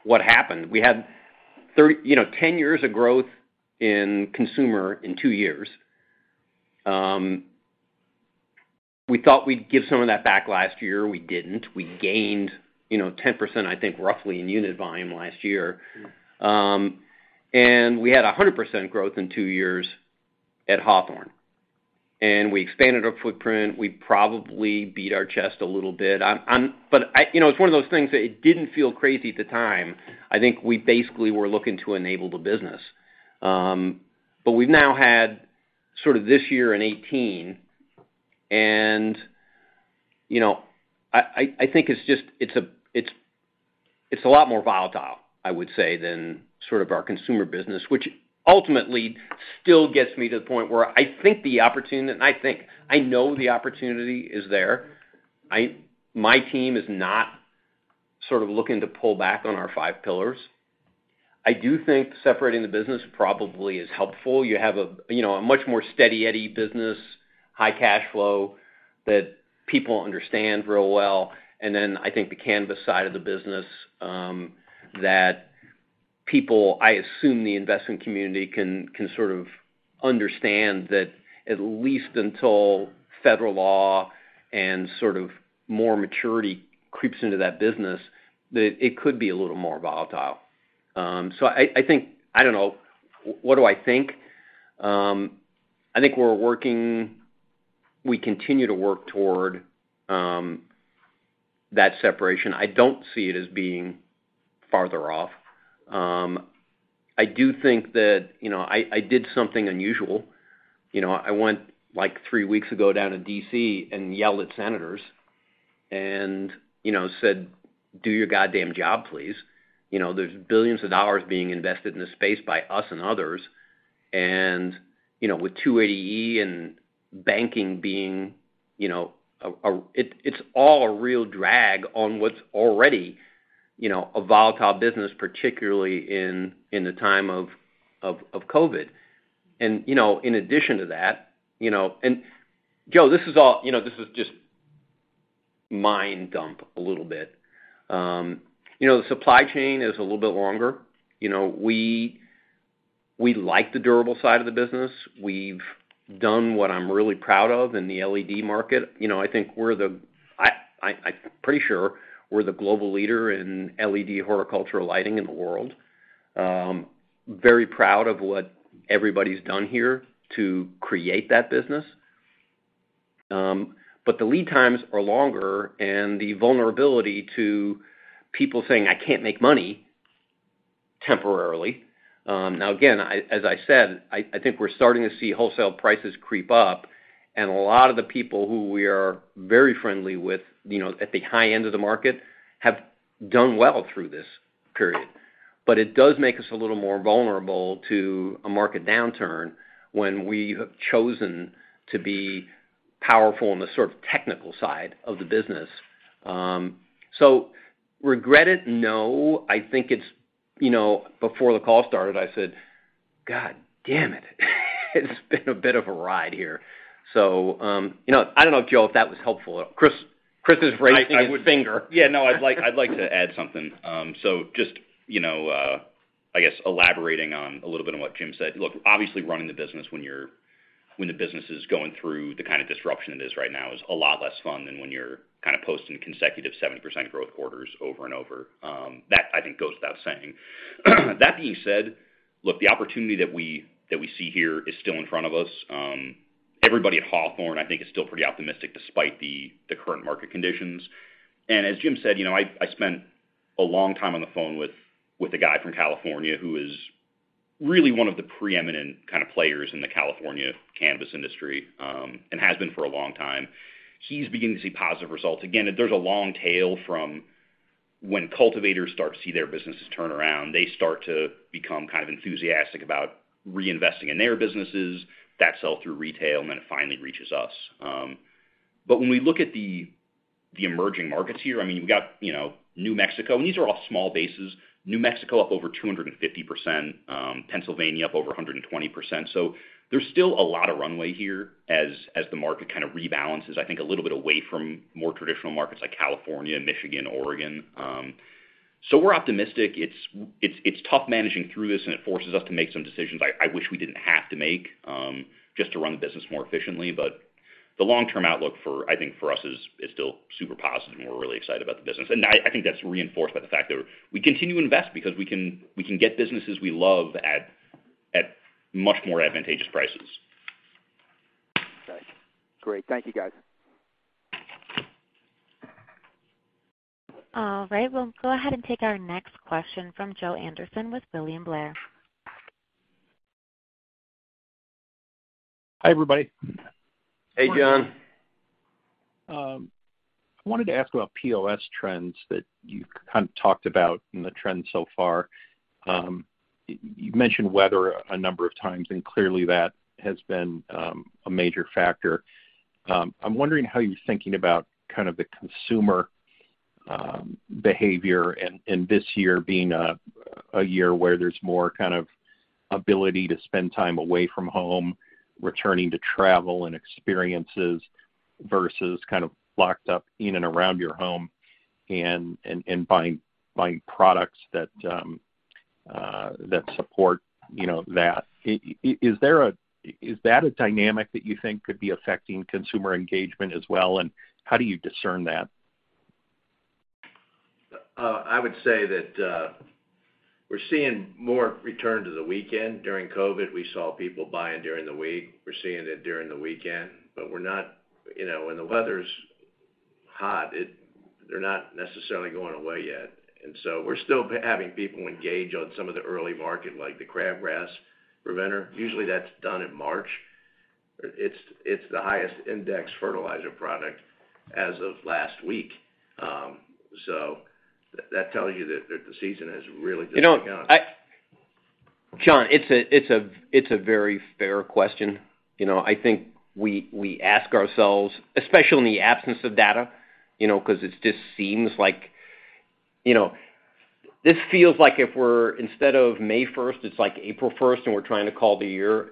what happened, we had 10 years of growth in consumer in two years. We thought we'd give some of that back last year. We didn't. We gained, you know, 10%, I think, roughly in unit volume last year. We had 100% growth in two years at Hawthorne, and we expanded our footprint. We probably beat our chest a little bit. I, you know, it's one of those things that it didn't feel crazy at the time. I think we basically were looking to enable the business. We've now had sort of this year and 2018 and, you know, I think it's just, it's a lot more volatile, I would say, than sort of our consumer business, which ultimately still gets me to the point where I think the opportunity. I know the opportunity is there. My team is not sort of looking to pull back on our five pillars. I do think separating the business probably is helpful. You have, you know, a much more steady-eddy business, high cash flow that people understand real well. I think the cannabis side of the business, that people, I assume the investing community can sort of understand that at least until federal law and sort of more maturity creeps into that business, that it could be a little more volatile. I think we're working, we continue to work toward that separation. I don't see it as being farther off. I do think that, you know, I did something unusual. You know, I went like three weeks ago down to D.C. and yelled at senators and, you know, said, "Do your goddamn job, please." You know, there's billions of dollars being invested in this space by us and others. You know, with 280E and banking being, you know, a real drag on what's already, you know, a volatile business, particularly in the time of COVID. You know, in addition to that, you know. Joe, this is just mind dump a little bit. You know, the supply chain is a little bit longer. You know, we like the durable side of the business. We've done what I'm really proud of in the LED market. You know, I think we're the, I'm pretty sure we're the global leader in LED horticultural lighting in the world. Very proud of what everybody's done here to create that business. The lead times are longer and the vulnerability to people saying, "I can't make money temporarily." Now, again, as I said, I think we're starting to see wholesale prices creep up, and a lot of the people who we are very friendly with, you know, at the high end of the market, have done well through this period. It does make us a little more vulnerable to a market downturn when we have chosen to be powerful in the sort of technical side of the business. Regret it? No. I think it's, you know. Before the call started, I said, "Goddammit, it's been a bit of a ride here." You know, I don't know, Joe, if that was helpful. Chris is raising his finger. I would. Yeah, no, I'd like to add something. Just, you know, I guess elaborating on a little bit of what Jim said. Look, obviously, running the business when the business is going through the kind of disruption it is right now is a lot less fun than when you're kind of posting consecutive 70% growth quarters over and over. That I think goes without saying. That being said, look, the opportunity that we see here is still in front of us. Everybody at Hawthorne, I think, is still pretty optimistic despite the current market conditions. As Jim said, you know, I've spent a long time on the phone with a guy from California who is really one of the preeminent kind of players in the California cannabis industry, and has been for a long time. He's beginning to see positive results. Again, there's a long tail from when cultivators start to see their businesses turn around, they start to become kind of enthusiastic about reinvesting in their businesses. That sell through retail, and then it finally reaches us. But when we look at the emerging markets here, I mean, we've got, you know, New Mexico, and these are all small bases. New Mexico up over 250%, Pennsylvania up over 120%. There's still a lot of runway here as the market kind of rebalances, I think, a little bit away from more traditional markets like California, Michigan, Oregon. We're optimistic. It's tough managing through this, and it forces us to make some decisions I wish we didn't have to make, just to run the business more efficiently. The long-term outlook, I think for us, is still super positive, and we're really excited about the business. I think that's reinforced by the fact that we continue to invest because we can get businesses we love at much more advantageous prices. Okay. Great. Thank you, guys. All right. We'll go ahead and take our next question from Jon Andersen with William Blair. Hi, everybody. Hey, John. I wanted to ask about POS trends that you kind of talked about in the trends so far. You mentioned weather a number of times, and clearly that has been a major factor. I'm wondering how you're thinking about kind of the consumer behavior and this year being a year where there's more kind of ability to spend time away from home, returning to travel and experiences versus kind of locked up in and around your home and buying products that support, you know, that. Is that a dynamic that you think could be affecting consumer engagement as well, and how do you discern that? I would say that we're seeing more return to the weekend. During COVID, we saw people buying during the week. We're seeing it during the weekend, but we're not. You know, when the weather's hot, they're not necessarily going away yet. We're still having people engage on some of the early market, like the crabgrass preventer. Usually, that's done in March. It's the highest index fertilizer product as of last week. So that tells you that the season has really just begun. You know, John, it's a very fair question. You know, I think we ask ourselves, especially in the absence of data, you know, 'cause it just seems like, you know. This feels like if we're instead of May 1st, it's like April 1st and we're trying to call the year.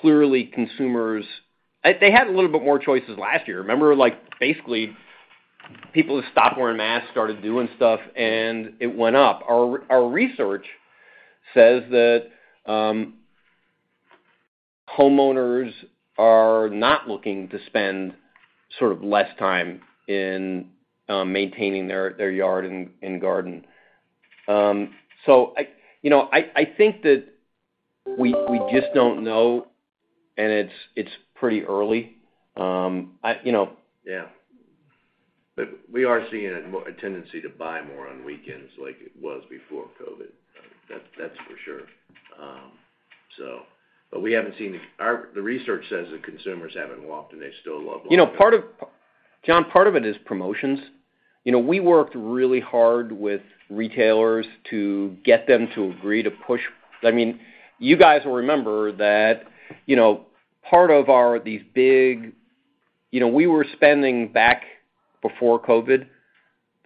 Clearly, consumers. They had a little bit more choices last year. Remember, like, basically people who stopped wearing masks started doing stuff, and it went up. Our research says that homeowners are not looking to spend sort of less time in maintaining their yard and garden. You know, I think that we just don't know, and it's pretty early. I, you know We are seeing a tendency to buy more on weekends like it was before COVID. That's for sure. Our research says that consumers haven't walked away, and they still love lawn care. You know, John, part of it is promotions. You know, we worked really hard with retailers to get them to agree to push, I mean, you guys will remember that, you know, you know, we were spending back before COVID,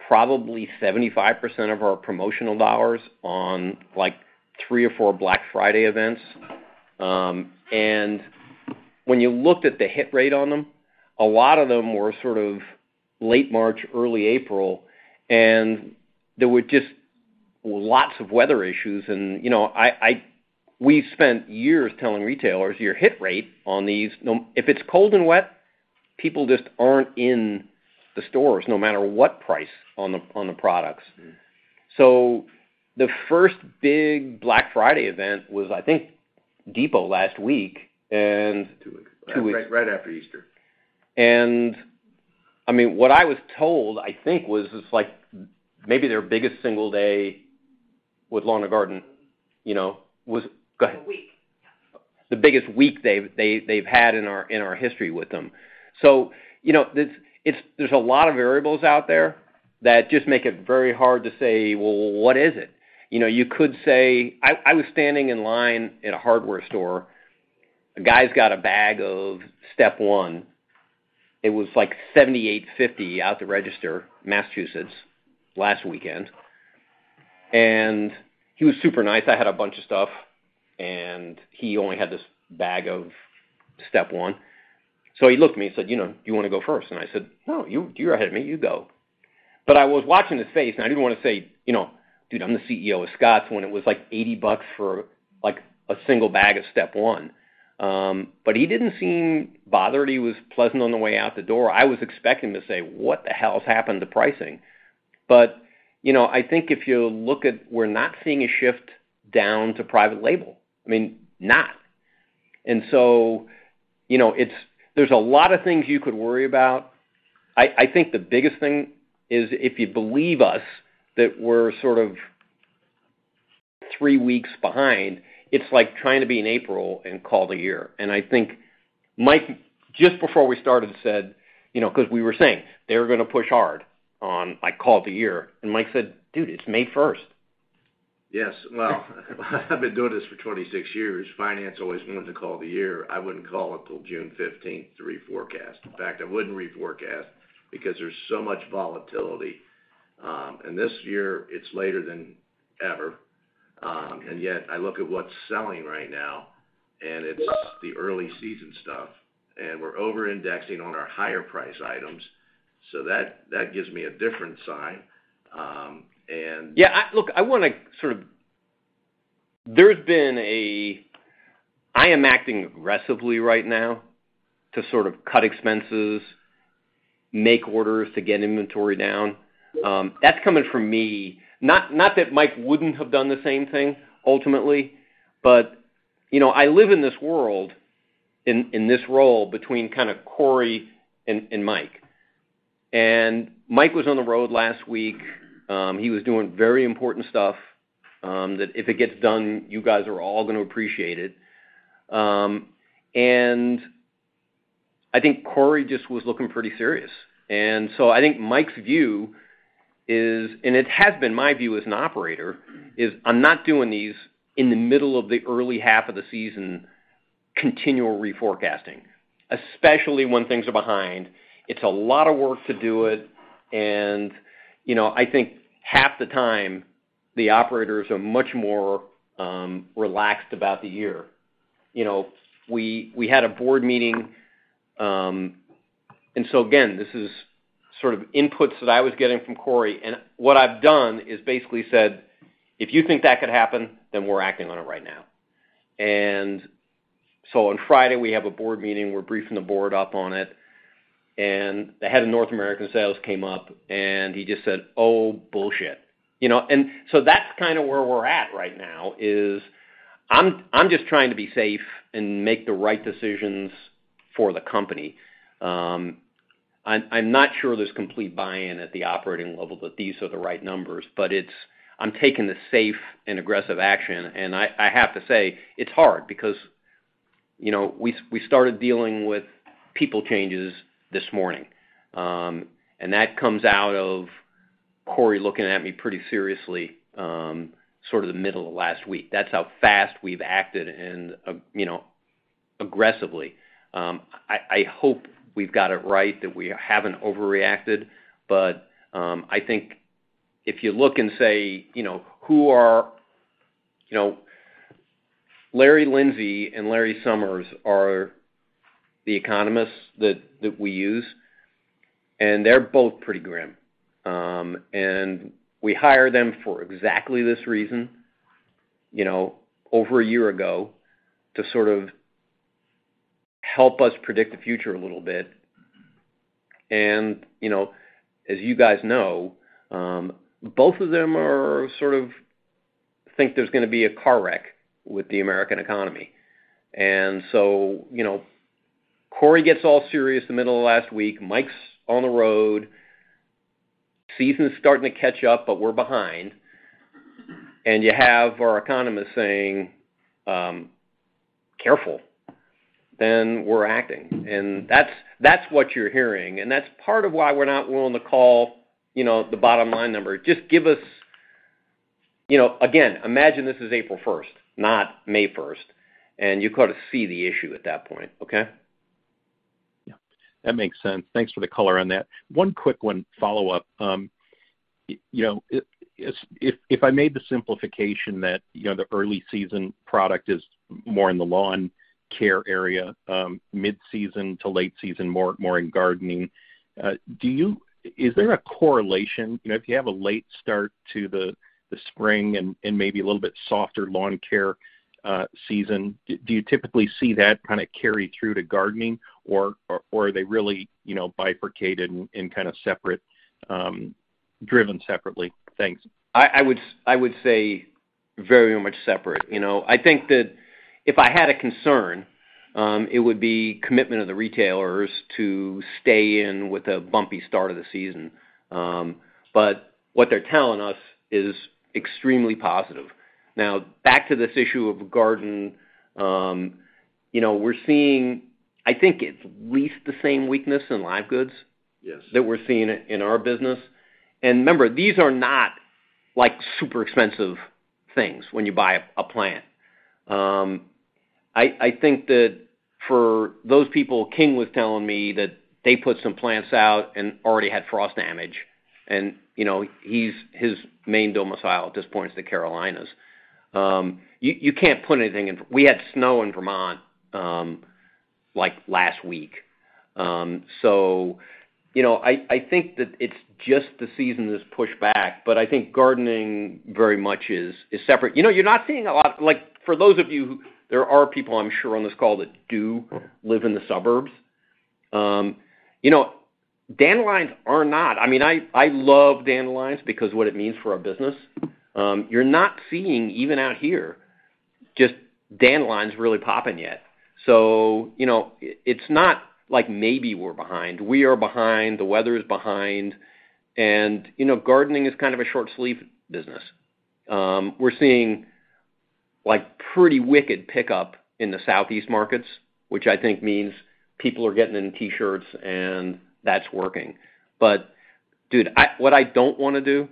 probably 75% of our promotional dollars on, like, three or four Black Friday events. When you looked at the hit rate on them, a lot of them were sort of late March, early April, and there were just lots of weather issues. You know, we've spent years telling retailers your hit rate on these. If it's cold and wet, people just aren't in the stores no matter what price on the products. Mm-hmm. The first big Black Friday event was, I think, Home Depot last week. Two weeks. Two weeks. Right, right after Easter. I mean, what I was told, I think, was this like maybe their biggest single day with lawn and garden, you know. Go ahead. A week. Yeah. The biggest week they've had in our history with them. You know, this is, there's a lot of variables out there that just make it very hard to say, "Well, what is it?" You know, you could say. I was standing in line at a hardware store. A guy's got a bag of Step One. It was, like, $78.50 out the register, Massachusetts, last weekend. He was super nice. I had a bunch of stuff, and he only had this bag of Step One. He looked at me and said, "You know, do you wanna go first?" I said, "No, you're ahead of me. You go." But I was watching his face, and I didn't wanna say, you know, "Dude, I'm the CEO of Scotts," when it was, like, $80 for, like, a single bag of Step One. He didn't seem bothered. He was pleasant on the way out the door. I was expecting to say, "What the hell has happened to pricing?" You know, I think if you look at we're not seeing a shift down to private label. I mean, not. You know, it's there are a lot of things you could worry about. I think the biggest thing is if you believe us that we're sort of three weeks behind, it's like trying to be in April and call the year. I think Mike, just before we started, said, you know, 'cause we were saying, "They're gonna push hard on, like, call it a year." Mike said, "Dude, it's May 1st. Yes. Well, I've been doing this for 26 years. Finance always wanted to call it a year. I wouldn't call it till June 15th to reforecast. In fact, I wouldn't reforecast because there's so much volatility. This year it's later than ever. Yet I look at what's selling right now, and it's the early season stuff, and we're over-indexing on our higher price items. So that gives me a different sign. I am acting aggressively right now to sort of cut expenses, make orders to get inventory down. That's coming from me. Not that Mike wouldn't have done the same thing ultimately, but you know, I live in this world, in this role between kinda Cory and Mike. Mike was on the road last week. He was doing very important stuff that if it gets done, you guys are all gonna appreciate it. I think Cory just was looking pretty serious. I think Mike's view is, and it has been my view as an operator, is I'm not doing these in the middle of the early half of the season continual reforecasting, especially when things are behind. It's a lot of work to do it and, you know, I think half the time the operators are much more relaxed about the year. You know, we had a board meeting. This is sort of inputs that I was getting from Cory, and what I've done is basically said, "If you think that could happen, then we're acting on it right now." On Friday we have a board meeting, we're briefing the board up on it, and the head of North American sales came up, and he just said, "Oh, bullshit." You know? That's kinda where we're at right now, is I'm just trying to be safe and make the right decisions for the company. I'm not sure there's complete buy-in at the operating level that these are the right numbers, but it's. I'm taking the safe and aggressive action. I have to say, it's hard because, you know, we started dealing with people changes this morning. That comes out of Cory looking at me pretty seriously, sort of the middle of last week. That's how fast we've acted and, you know, aggressively. I hope we've got it right, that we haven't overreacted. I think if you look and say, you know, who are. You know, Larry Lindsey and Larry Summers are the economists that we use, and they're both pretty grim. We hire them for exactly this reason, you know, over a year ago, to sort of help us predict the future a little bit. You know, as you guys know, both of them are sort of think there's gonna be a car wreck with the American economy. Cory gets all serious the middle of last week. Mike's on the road. Season's starting to catch up, but we're behind. You have our economist saying, "Careful," then we're acting. That's what you're hearing. That's part of why we're not willing to call the bottom line number. Just give us. Again, imagine this is April 1st, not May 1st, and you kinda see the issue at that point. Okay? Yeah. That makes sense. Thanks for the color on that. One quick follow-up. You know, if I made the simplification that, you know, the early season product is more in the lawn care area, mid-season to late season, more in gardening, is there a correlation? You know, if you have a late start to the spring and maybe a little bit softer lawn care season, do you typically see that kinda carry through to gardening or are they really, you know, bifurcated and kind of separate, driven separately? Thanks. I would say very much separate. You know? I think that if I had a concern, it would be commitment of the retailers to stay in with a bumpy start of the season. What they're telling us is extremely positive. Now, back to this issue of garden, you know, we're seeing I think it's at least the same weakness in live goods- Yes... that we're seeing it in our business. Remember, these are not like super expensive things when you buy a plant. I think that for those people, King was telling me that they put some plants out and already had frost damage. You know, he's, his main domicile at this point is the Carolinas. You can't put anything in. We had snow in Vermont, like last week. You know, I think that it's just the season is pushed back, but I think gardening very much is separate. You know, you're not seeing a lot. Like, for those of you who, there are people I'm sure on this call that do live in the suburbs. You know, dandelions are not. I mean, I love dandelions because what it means for our business. You're not seeing, even out here, just dandelions really popping yet. You know, it's not like maybe we're behind. We are behind, the weather is behind, and, you know, gardening is kind of a short-sleeved business. We're seeing, like, pretty wicked pickup in the southeast markets, which I think means people are getting in T-shirts, and that's working. Dude, what I don't wanna do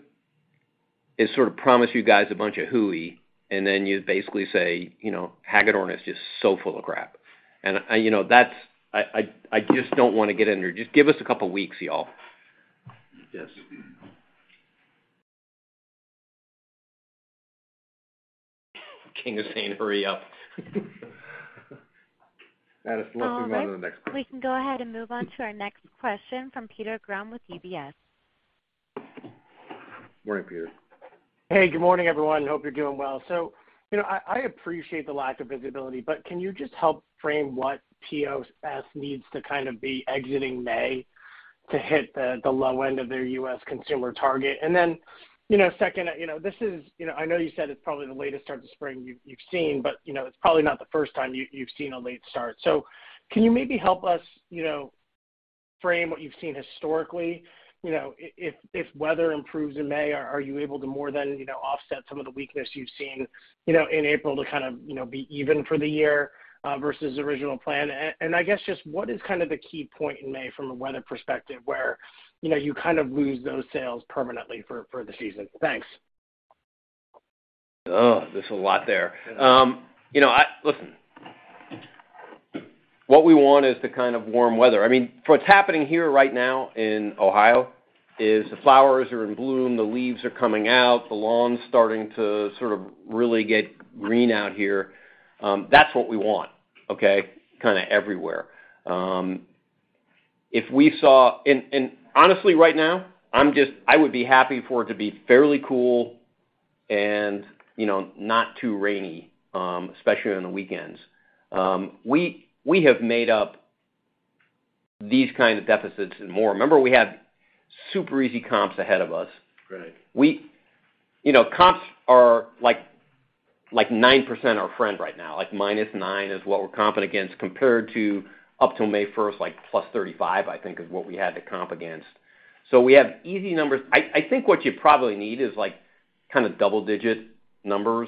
is sort of promise you guys a bunch of hooey, and then you basically say, you know, "Hagedorn is just so full of crap." You know, that's. I just don't wanna get in there. Just give us a couple weeks, y'all. Yes. King is saying, "Hurry up. Addis, let's move on to the next question. All right. We can go ahead and move on to our next question from Peter Grom with UBS. Morning, Peter. Hey, good morning, everyone. Hope you're doing well. You know, I appreciate the lack of visibility, but can you just help frame what POS needs to kind of be exiting May to hit the low end of their U.S. consumer target? You know, second, you know, this is, you know, I know you said it's probably the latest start to spring you've seen, but, you know, it's probably not the first time you've seen a late start. Can you maybe help us, you know, frame what you've seen historically? You know, if weather improves in May, are you able to more than offset some of the weakness you've seen, you know, in April to kind of, you know, be even for the year versus original plan? I guess just what is kind of the key point in May from a weather perspective where, you know, you kind of lose those sales permanently for the season? Thanks. Oh, there's a lot there. You know, listen, what we want is the kind of warm weather. I mean, for what's happening here right now in Ohio is the flowers are in bloom, the leaves are coming out, the lawn's starting to sort of really get green out here. That's what we want, okay? Kinda everywhere. Honestly right now, I would be happy for it to be fairly cool and, you know, not too rainy, especially on the weekends. We have made up these kind of deficits and more. Remember we had super easy comps ahead of us. Right. You know, comps are like 9% our friend right now. Like, -9% is what we're comping against, compared to up till May first, like, +35%, I think is what we had to comp against. We have easy numbers. I think what you probably need is, like, kinda double-digit numbers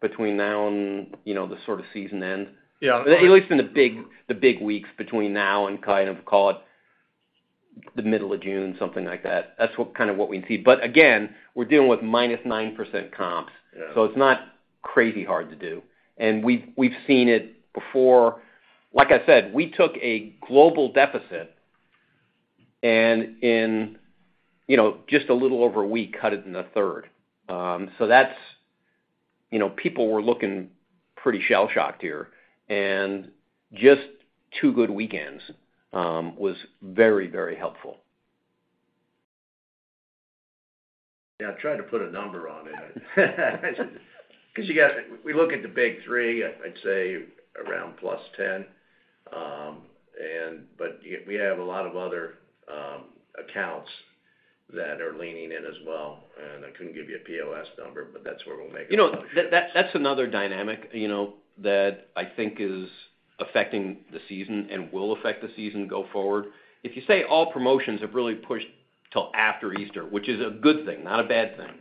between now and, you know, the sorta season end. Yeah. At least in the big weeks between now and kind of, call it the middle of June, something like that. That's kind of what we'd see. Again, we're dealing with -9% comps. Yeah. It's not crazy hard to do. We've seen it before. Like I said, we took a global deficit, and, you know, just a little over a week, cut it in a third. That's. You know, people were looking pretty shell-shocked here. Just two good weekends was very helpful. Yeah, I tried to put a number on it. 'Cause we look at the big three. I'd say around +10%. Yet we have a lot of other accounts that are leaning in as well, and I couldn't give you a POS number, but that's where we'll make up those shorts. You know, that's another dynamic, you know, that I think is affecting the season and will affect the season go forward. If you say all promotions have really pushed till after Easter, which is a good thing, not a bad thing,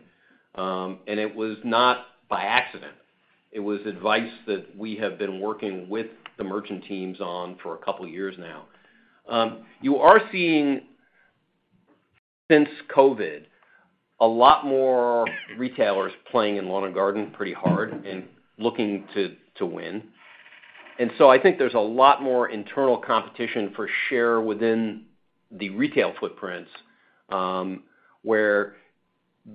and it was not by accident. It was advice that we have been working with the merchant teams on for a couple years now. You are seeing since COVID, a lot more retailers playing in lawn and garden pretty hard and looking to win. I think there's a lot more internal competition for share within the retail footprints, where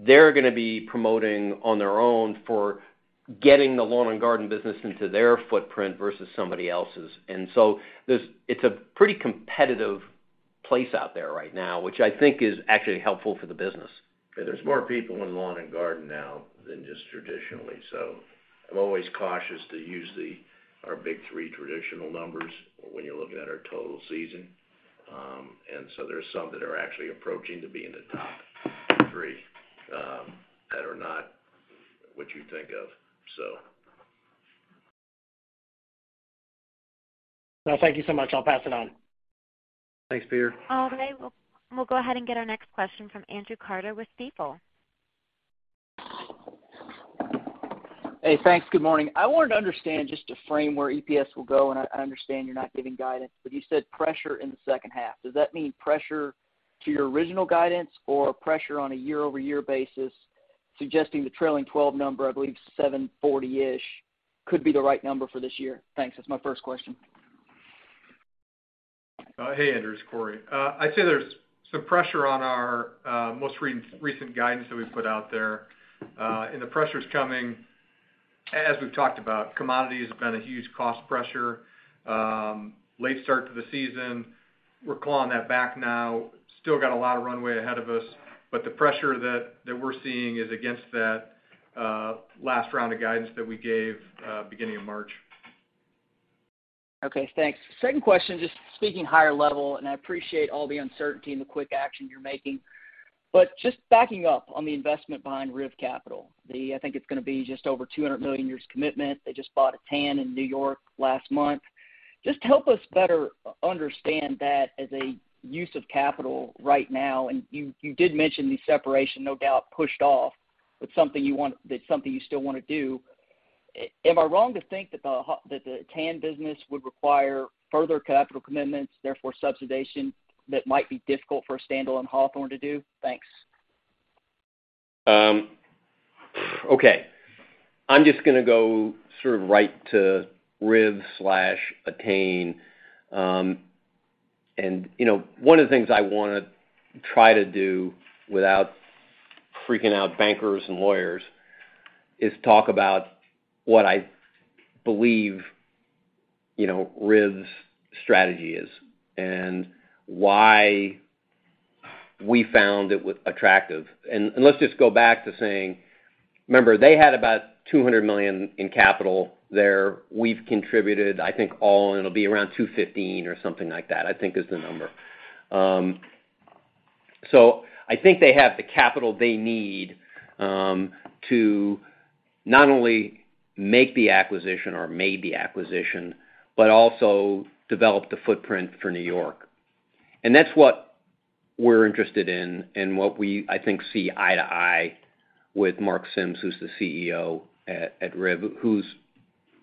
they're gonna be promoting on their own for getting the lawn and garden business into their footprint versus somebody else's. There's a pretty competitive place out there right now, which I think is actually helpful for the business. Yeah, there's more people in lawn and garden now than just traditionally. I'm always cautious to use the, our big three traditional numbers or when you're looking at our total season. There's some that are actually approaching to be in the top three, that are not what you think of. Well, thank you so much. I'll pass it on. Thanks, Peter. All right. We'll go ahead and get our next question from Andrew Carter with Stifel. Hey, thanks. Good morning. I wanted to understand just to frame where EPS will go, and I understand you're not giving guidance, but you said pressure in the second half. Does that mean pressure to your original guidance or pressure on a year-over-year basis suggesting the trailing 12 number, I believe $7.40-ish could be the right number for this year? Thanks. That's my first question. Hey, Andrew, it's Cory. I'd say there's some pressure on our most recent guidance that we've put out there. The pressure's coming. As we've talked about, commodity has been a huge cost pressure, late start to the season. We're clawing that back now. Still got a lot of runway ahead of us, but the pressure that we're seeing is against that last round of guidance that we gave, beginning of March. Okay, thanks. Second question, just speaking higher level, and I appreciate all the uncertainty and the quick action you're making. Just backing up on the investment behind RIV Capital, I think it's gonna be just over $200 million commitment. They just bought Attain in New York last month. Just help us better understand that as a use of capital right now. You did mention the separation, no doubt pushed off. It's something you still wanna do. Am I wrong to think that the Attain business would require further capital commitments, therefore subsidization that might be difficult for a standalone Hawthorne to do? Thanks. Okay. I'm just gonna go sort of right to RIV/Attain. You know, one of the things I wanna try to do without freaking out bankers and lawyers is talk about what I believe, you know, RIV's strategy is and why we found it attractive. Let's just go back to saying, remember, they had about $200 million in capital there. We've contributed, I think all, and it'll be around $215 or something like that, I think is the number. I think they have the capital they need to not only make the acquisition or made the acquisition, but also develop the footprint for New York. That's what we're interested in and what we, I think, see eye to eye with Mark Sims, who's the CEO at RIV Capital, who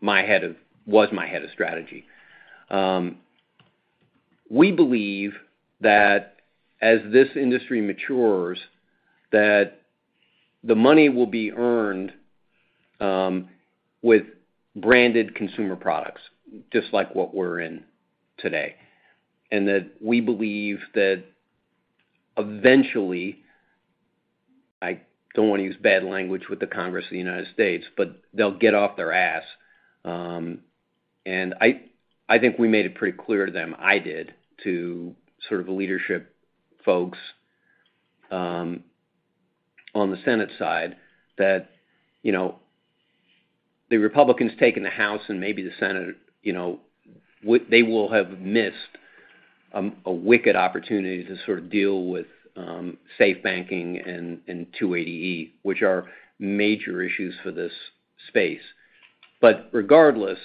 was my head of strategy. We believe that as this industry matures, that the money will be earned with branded consumer products, just like what we're in today. We believe that eventually, I don't wanna use bad language with the Congress of the U.S., but they'll get off their ass. I think we made it pretty clear to them, I did, to sort of the leadership folks on the Senate side that, you know, the Republicans taking the House and maybe the Senate, you know, they will have missed a wicked opportunity to sort of deal with safe banking and 280E, which are major issues for this space. Regardless,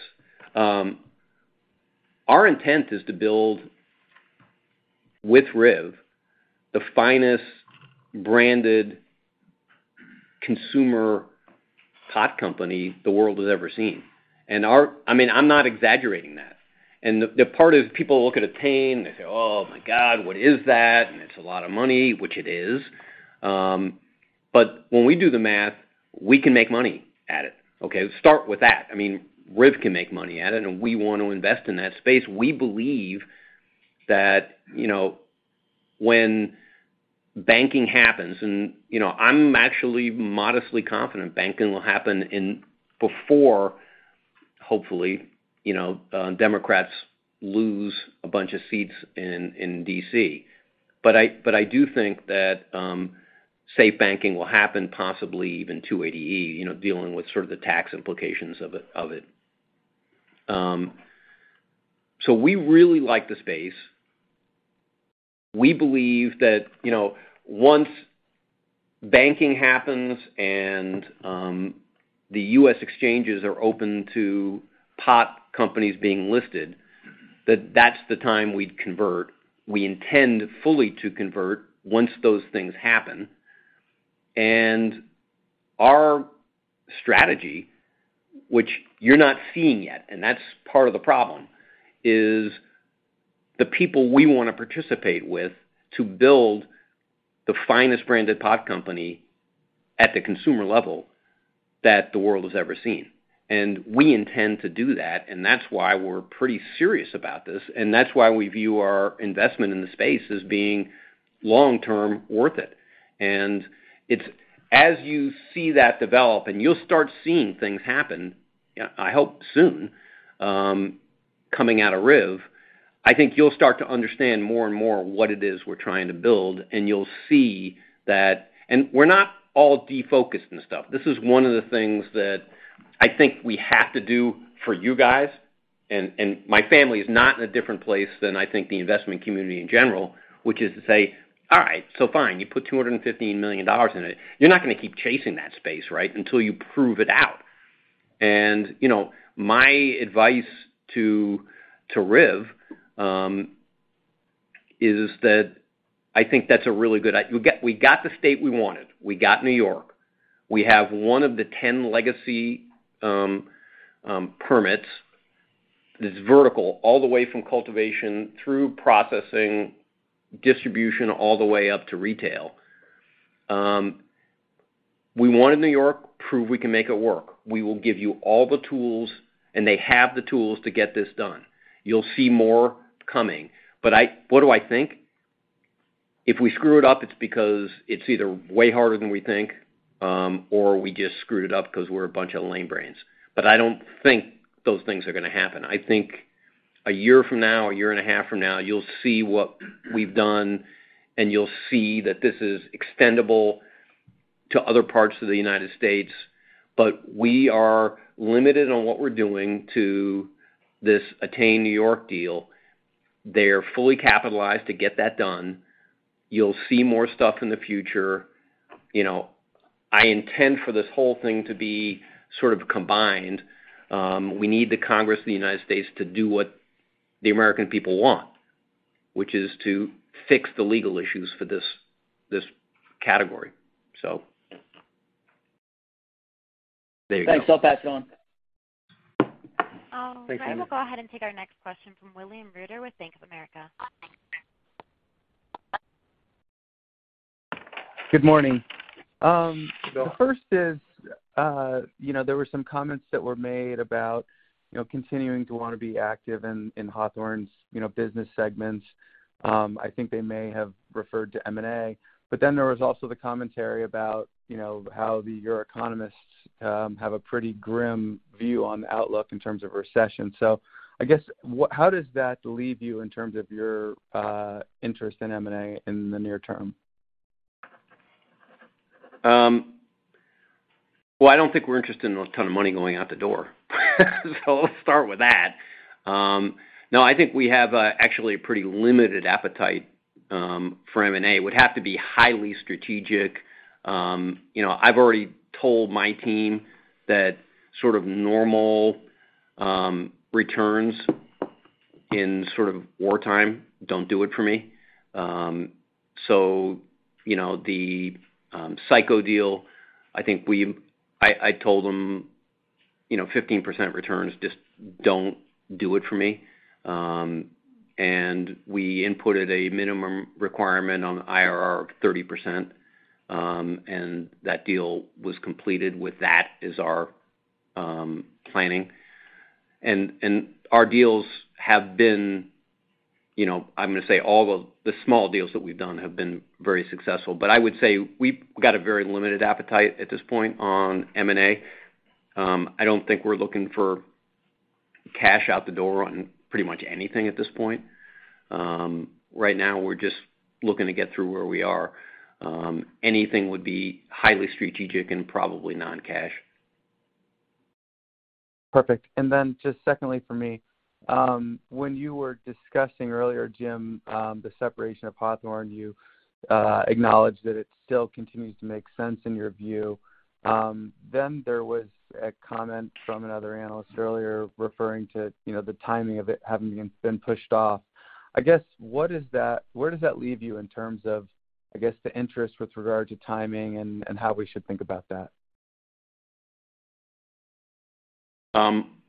our intent is to build with RIV the finest branded consumer pot company the world has ever seen. I mean, I'm not exaggerating that. The part is people look at Attain, they say, "Oh my God, what is that?" And it's a lot of money, which it is. But when we do the math, we can make money at it, okay? Start with that. I mean, Riv can make money at it, and we want to invest in that space. We believe that, you know, when banking happens, and, you know, I'm actually modestly confident banking will happen before, hopefully, you know, Democrats lose a bunch of seats in D.C. But I do think that safe banking will happen, possibly even 280E, you know, dealing with sort of the tax implications of it. So we really like the space. We believe that, you know, once banking happens and the U.S. exchanges are open to pot companies being listed, that that's the time we'd convert. We intend fully to convert once those things happen. Our strategy, which you're not seeing yet, and that's part of the problem, is the people we wanna participate with to build the finest branded pot company at the consumer level that the world has ever seen. We intend to do that, and that's why we're pretty serious about this, and that's why we view our investment in the space as being long-term worth it. It's as you see that develop, and you'll start seeing things happen, I hope soon coming out of RIV. I think you'll start to understand more and more what it is we're trying to build, and you'll see that. We're not all defocused and stuff. This is one of the things that I think we have to do for you guys, my family is not in a different place than I think the investment community in general, which is to say, "All right, so fine, you put $215 million in it. You're not gonna keep chasing that space, right, until you prove it out." My advice to RIV is that we got the state we wanted. We got New York. We have one of the 10 legacy permits. It's vertical all the way from cultivation through processing, distribution, all the way up to retail. We wanted New York, prove we can make it work. We will give you all the tools, and they have the tools to get this done. You'll see more coming. What do I think? If we screw it up, it's because it's either way harder than we think, or we just screwed it up 'cause we're a bunch of lame brains. I don't think those things are gonna happen. I think a year from now, a year and a half from now, you'll see what we've done, and you'll see that this is extendable to other parts of the U.S. We are limited on what we're doing to this Attain New York deal. They are fully capitalized to get that done. You'll see more stuff in the future. You know, I intend for this whole thing to be sort of combined. We need the Congress of the U.S. To do what the American people want, which is to fix the legal issues for this category. Thanks. I'll pass it on. We will go ahead and take our next question from William Reuter with Bank of America. Good morning. First is, you know, there were some comments that were made about, you know, continuing to want to be active in Hawthorne's, you know, business segments. I think they may have referred to M&A. There was also the commentary about, you know, how your economists have a pretty grim view on the outlook in terms of recession. I guess, how does that leave you in terms of your interest in M&A in the near term? I don't think we're interested in a ton of money going out the door. Let's start with that. No, I think we have actually a pretty limited appetite for M&A, would have to be highly strategic. You know, I've already told my team that sort of normal returns in sort of wartime don't do it for me. You know, the Cyco deal, I think I told them, you know, 15% returns just don't do it for me. We inputted a minimum requirement on IRR of 30%, and that deal was completed with that as our planning. Our deals have been, you know, I'm gonna say, all the small deals that we've done have been very successful. I would say we've got a very limited appetite at this point on M&A. I don't think we're looking for cash out the door on pretty much anything at this point. Right now we're just looking to get through where we are. Anything would be highly strategic and probably non-cash. Perfect. Just secondly for me, when you were discussing earlier, Jim, the separation of Hawthorne, you acknowledged that it still continues to make sense in your view. There was a comment from another analyst earlier referring to, you know, the timing of it having been pushed off. I guess, what does that leave you in terms of, I guess, the interest with regard to timing and how we should think about that?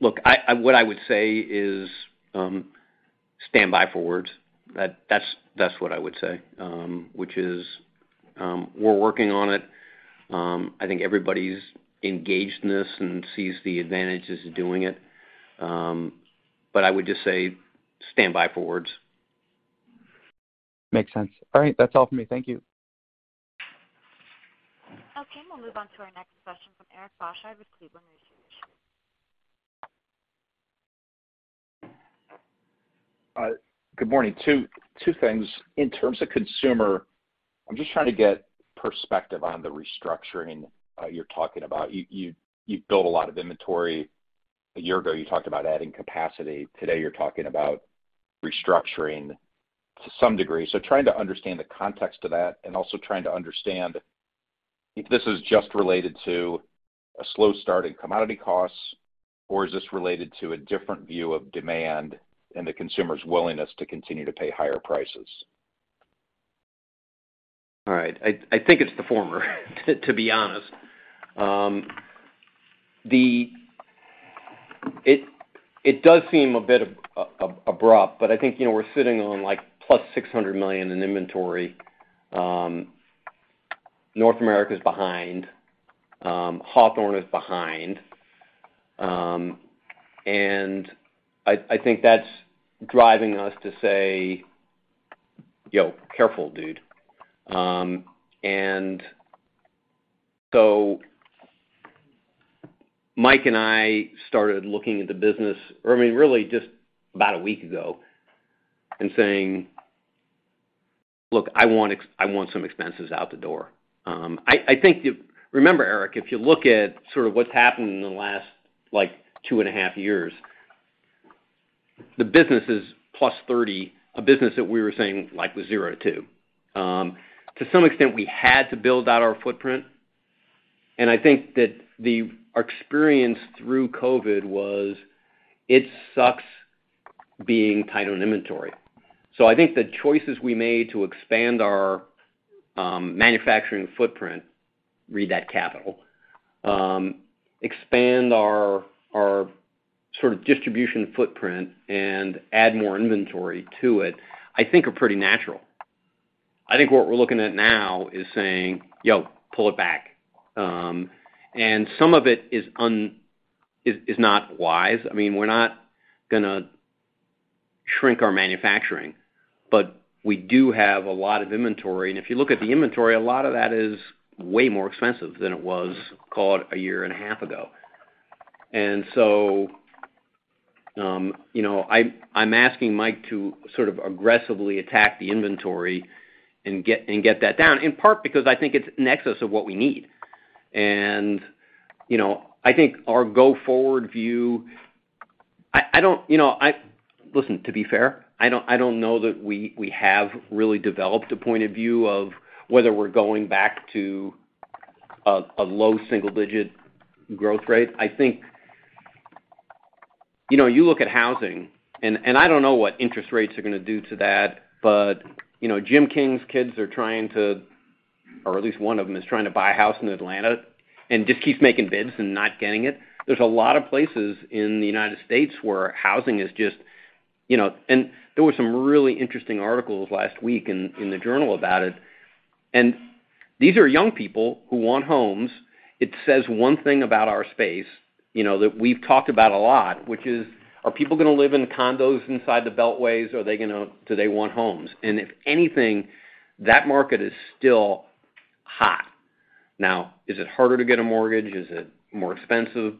Look, what I would say is, stand by for words. That's what I would say, which is, we're working on it. I think everybody's engaged in this and sees the advantages of doing it. I would just say stand by for words. Makes sense. All right. That's all for me. Thank you. Okay. We'll move on to our next question from Eric Bosshard with Cleveland Research. Good morning. Two things. In terms of consumer, I'm just trying to get perspective on the restructuring you're talking about. You built a lot of inventory. A year ago, you talked about adding capacity. Today, you're talking about restructuring to some degree. Trying to understand the context of that and also trying to understand if this is just related to a slow start in commodity costs, or is this related to a different view of demand and the consumer's willingness to continue to pay higher prices. All right. I think it's the former, to be honest. It does seem a bit abrupt, but I think, you know, we're sitting on, like, +$600 million in inventory. North America is behind. Hawthorne is behind. I think that's driving us to say, "Yo, careful, dude." Mike and I started looking at the business, I mean, really just about a week ago and saying, "Look, I want some expenses out the door." I think. Remember, Eric, if you look at sort of what's happened in the last, like, two and a half years, the business is +30, a business that we were saying, like, was 0-2. To some extent, we had to build out our footprint, and I think that our experience through COVID was, it sucks being tied up in inventory. I think the choices we made to expand our manufacturing footprint, redeploy that capital, expand our distribution footprint and add more inventory to it, I think are pretty natural. I think what we're looking at now is saying, "Yo, pull it back." Some of it is not wise. I mean, we're not gonna shrink our manufacturing, but we do have a lot of inventory. If you look at the inventory, a lot of that is way more expensive than it was, call it, a year and a half ago. I'm asking Mike to sort of aggressively attack the inventory and get that down, in part because I think it's in excess of what we need. You know, I think our go-forward view. Listen, to be fair, I don't know that we have really developed a point of view of whether we're going back to a low single-digit growth rate. I think you know, you look at housing, and I don't know what interest rates are gonna do to that, but you know, Jim King's kids are trying to or at least one of them is trying to buy a house in Atlanta and just keeps making bids and not getting it. There's a lot of places in the U.S. Where housing is just you know. There were some really interesting articles last week in the journal about it, and these are young people who want homes. It says one thing about our space, you know, that we've talked about a lot, which is, are people gonna live in condos inside the beltways? Do they want homes? If anything, that market is still hot. Now, is it harder to get a mortgage? Is it more expensive?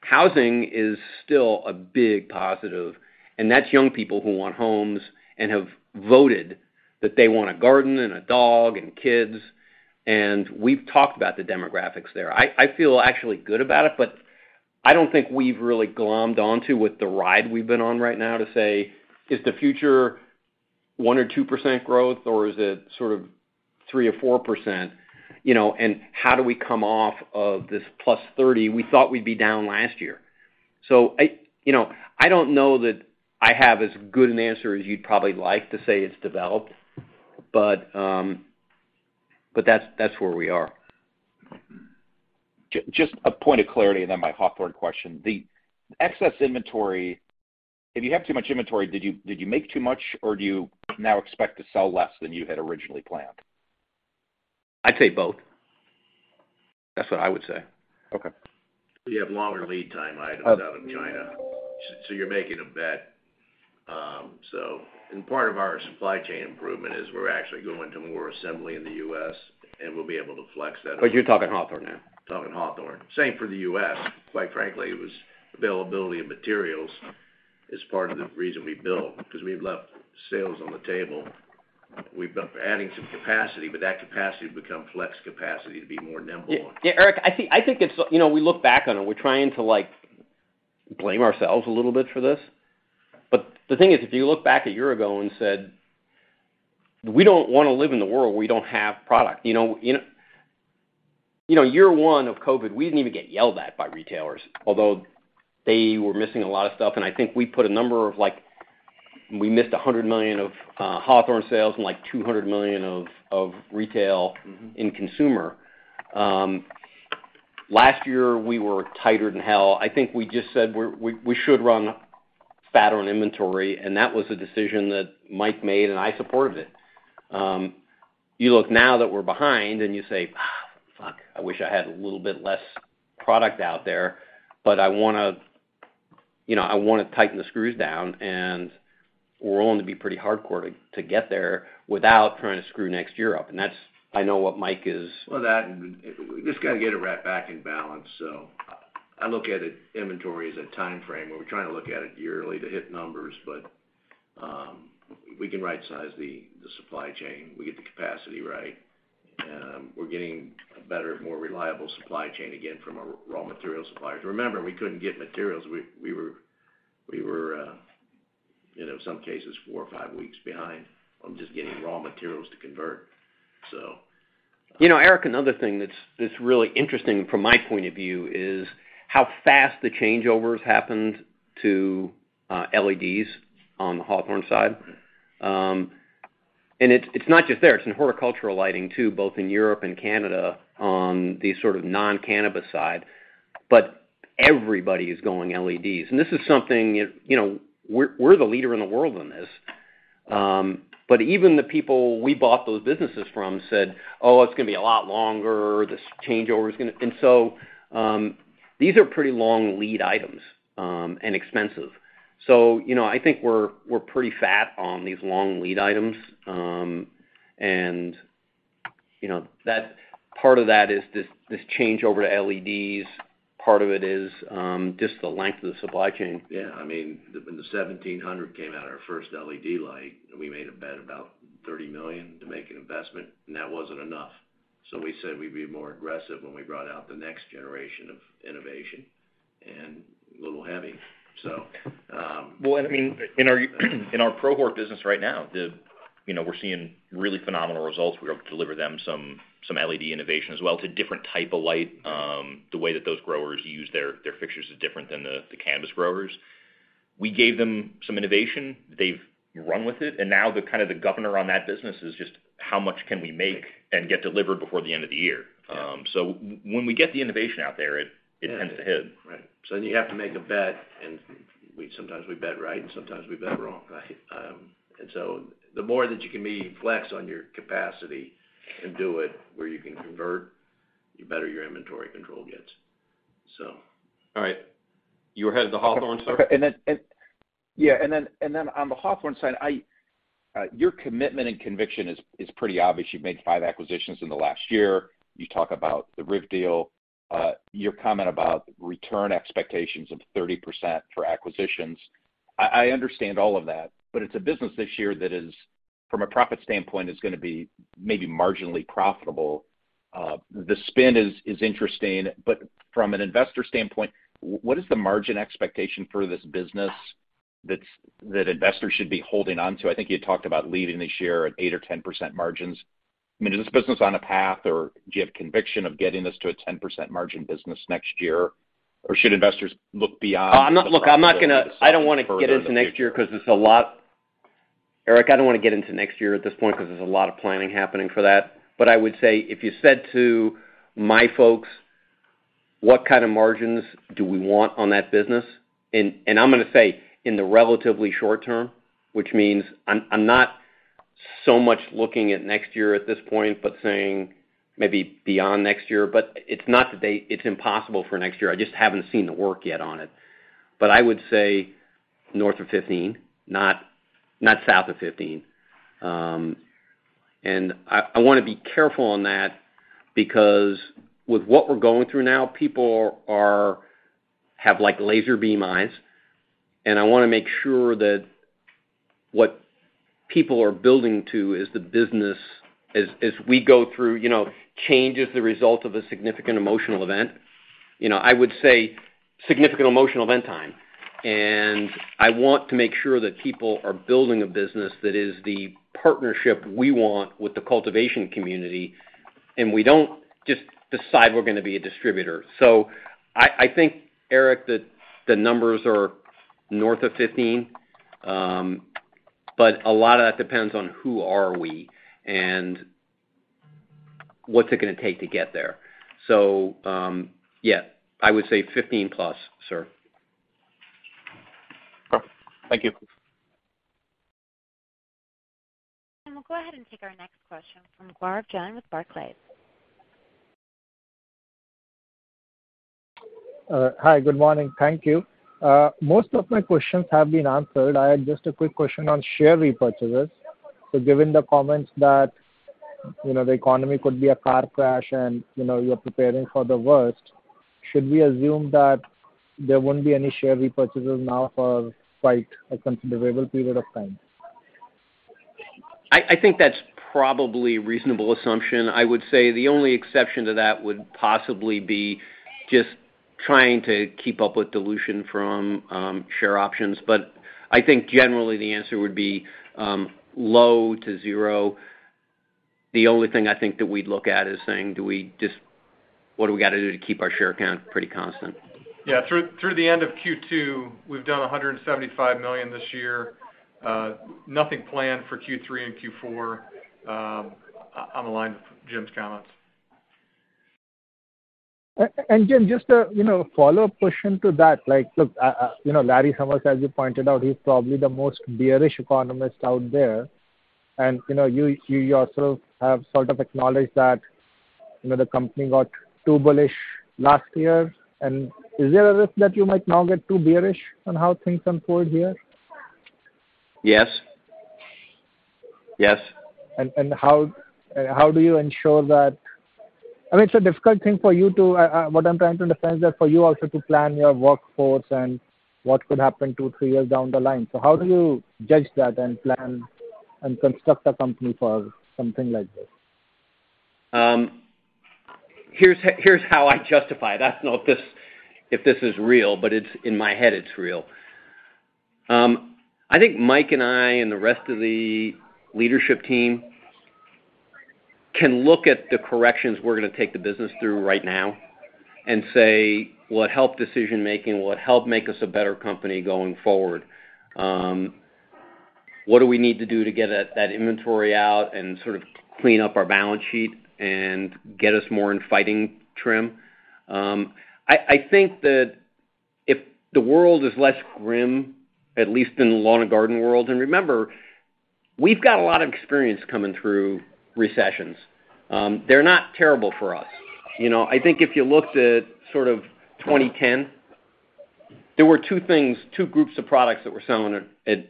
Housing is still a big positive, and that's young people who want homes and have voted that they want a garden and a dog and kids. We've talked about the demographics there. I feel actually good about it, but I don't think we've really glommed onto with the ride we've been on right now to say, is the future 1% or 2% growth, or is it sort of 3% or 4%? You know, and how do we come off of this +30%? We thought we'd be down last year. I, you know, I don't know that I have as good an answer as you'd probably like to say it's developed, but that's where we are. Just a point of clarity, and then my Hawthorne question. The excess inventory, if you have too much inventory, did you make too much, or do you now expect to sell less than you had originally planned? I'd say both. That's what I would say. Okay. We have longer lead time items out of China, so you're making a bet. Part of our supply chain improvement is we're actually going to more assembly in the U.S., and we'll be able to flex that- You're talking Hawthorne now. Talking Hawthorne. Same for the U.S. Quite frankly, it was availability of materials is part of the reason we built, 'cause we've left sales on the table. We've been adding some capacity, but that capacity become flex capacity to be more nimble. Yeah, Eric, I think it's, you know, we look back on it. We're trying to, like, blame ourselves a little bit for this. The thing is, if you look back a year ago and said, we don't wanna live in the world where we don't have product. You know, year one of COVID, we didn't even get yelled at by retailers, although they were missing a lot of stuff, and I think we put a number of, like, we missed $100 million of Hawthorne sales and like $200 million of retail- Mm-hmm... in consumer. Last year we were tighter than hell. I think we just said we should run fatter on inventory, and that was a decision that Mike made, and I supported it. You look now that we're behind and you say, "I wish I had a little bit less product out there," but I wanna, you know, I wanna tighten the screws down, and we're willing to be pretty hardcore to get there without trying to screw next year up. That's, I know what Mike is. Well, that and we just gotta get it right back in balance. I look at it, inventory as a timeframe, where we're trying to look at it yearly to hit numbers. We can rightsize the supply chain. We get the capacity right. We're getting a better, more reliable supply chain, again, from our raw material suppliers. Remember, we couldn't get materials. We were, you know, some cases four or five weeks behind on just getting raw materials to convert. You know, Eric, another thing that's really interesting from my point of view is how fast the changeover has happened to LEDs on the Hawthorne side. It's not just there. It's in horticultural lighting, too, both in Europe and Canada on the sort of non-cannabis side. Everybody is going LEDs, and this is something, you know, we're the leader in the world in this. Even the people we bought those businesses from said, "Oh, it's gonna be a lot longer. This changeover is gonna..." These are pretty long lead items and expensive. You know, I think we're pretty fat on these long lead items. You know, that's part of that is this change over to LEDs. Part of it is just the length of the supply chain. Yeah. I mean, when the 1700 came out, our first LED light, we made a bet about $30 million to make an investment, and that wasn't enough. We said we'd be more aggressive when we brought out the next generation of innovation and a little heavy. Well, I mean, in our pro-hort business right now, you know, we're seeing really phenomenal results. We were able to deliver them some LED innovation as well. It's a different type of light. The way that those growers use their fixtures is different than the cannabis growers. We gave them some innovation. They've run with it, and now the kind of governor on that business is just how much can we make and get delivered before the end of the year. Yeah. When we get the innovation out there, it tends to hit. Right. You have to make a bet, and we sometimes bet right, and sometimes we bet wrong. Right. the more that you can be flex on your capacity and do it where you can convert, the better your inventory control gets. All right. You were headed to Hawthorne, sir? Okay. On the Hawthorne side, your commitment and conviction is pretty obvious. You've made five acquisitions in the last year. You talk about the RIV deal. Your comment about return expectations of 30% for acquisitions, I understand all of that, but it's a business this year that is, from a profit standpoint, gonna be maybe marginally profitable. The spin is interesting, but from an investor standpoint, what is the margin expectation for this business that investors should be holding onto? I think you talked about leading the share at 8% or 10% margins. I mean, is this business on a path or do you have conviction of getting this to a 10% margin business next year? Or should investors look beyond? Eric, I don't wanna get into next year at this point 'cause there's a lot of planning happening for that. I would say, if you said to my folks, what kind of margins do we want on that business? I'm gonna say in the relatively short term, which means I'm not so much looking at next year at this point, but saying maybe beyond next year. It's not impossible for next year, I just haven't seen the work yet on it. I would say north of 15%, not south of 15%. I wanna be careful on that because with what we're going through now, people have like laser beam eyes, and I wanna make sure that what people are building to is the business. As we go through, you know, change as the result of a significant emotional event. You know, I would say significant emotional event time. I want to make sure that people are building a business that is the partnership we want with the cultivation community, and we don't just decide we're gonna be a distributor. I think, Eric, that the numbers are north of 15, but a lot of that depends on who are we and what's it gonna take to get there. Yeah, I would say 15+, sir. Perfect. Thank you. We'll go ahead and take our next question from Gaurav Jain with Barclays. Hi, good morning. Thank you. Most of my questions have been answered. I had just a quick question on share repurchases. Given the comments that, you know, the economy could be a car crash and, you know, you're preparing for the worst, should we assume that there won't be any share repurchases now for quite a considerable period of time? I think that's probably reasonable assumption. I would say the only exception to that would possibly be just trying to keep up with dilution from share options. I think generally the answer would be low to zero. The only thing I think that we'd look at is saying, what do we gotta do to keep our share count pretty constant? Through the end of Q2, we've done $175 million this year. Nothing planned for Q3 and Q4, in line with Jim's comments. Jim, just a, you know, follow-up question to that. Like, look, you know Lawrence Summers, as you pointed out, he's probably the most bearish economist out there. You know, you yourself have sort of acknowledged that, you know, the company got too bullish last year. Is there a risk that you might now get too bearish on how things unfold here? Yes. Yes. How do you ensure that? I mean, it's a difficult thing for you to, what I'm trying to understand is that for you also to plan your workforce and what could happen two, three years down the line. How do you judge that and plan and construct a company for something like this? Here's how I justify it. I don't know if this is real, but it's in my head, it's real. I think Mike and I and the rest of the leadership team can look at the corrections we're gonna take the business through right now and say, what helped decision-making, what helped make us a better company going forward? What do we need to do to get that inventory out and sort of clean up our balance sheet and get us more in fighting trim? I think that if the world is less grim, at least in the lawn and garden world. Remember, we've got a lot of experience coming through recessions. They're not terrible for us. You know, I think if you looked at sort of 2010, there were two things, two groups of products that were selling at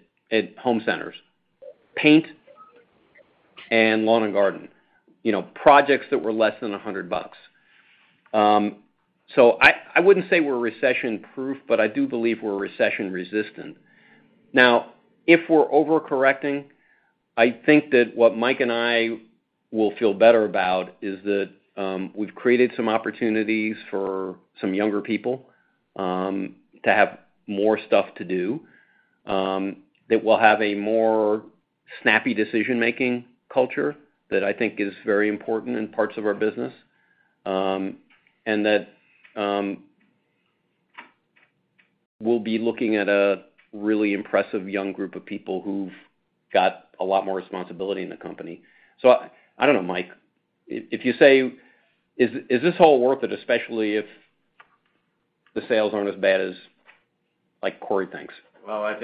home centers, paint and lawn and garden. You know, projects that were less than $100. I wouldn't say we're recession-proof, but I do believe we're recession-resistant. Now, if we're overcorrecting, I think that what Mike and I will feel better about is that we've created some opportunities for some younger people to have more stuff to do, that we'll have a more snappy decision-making culture that I think is very important in parts of our business, and that we'll be looking at a really impressive young group of people who've got a lot more responsibility in the company. I don't know, Mike, if you say is this all worth it, especially if the sales aren't as bad as, like, Cory thinks? Well,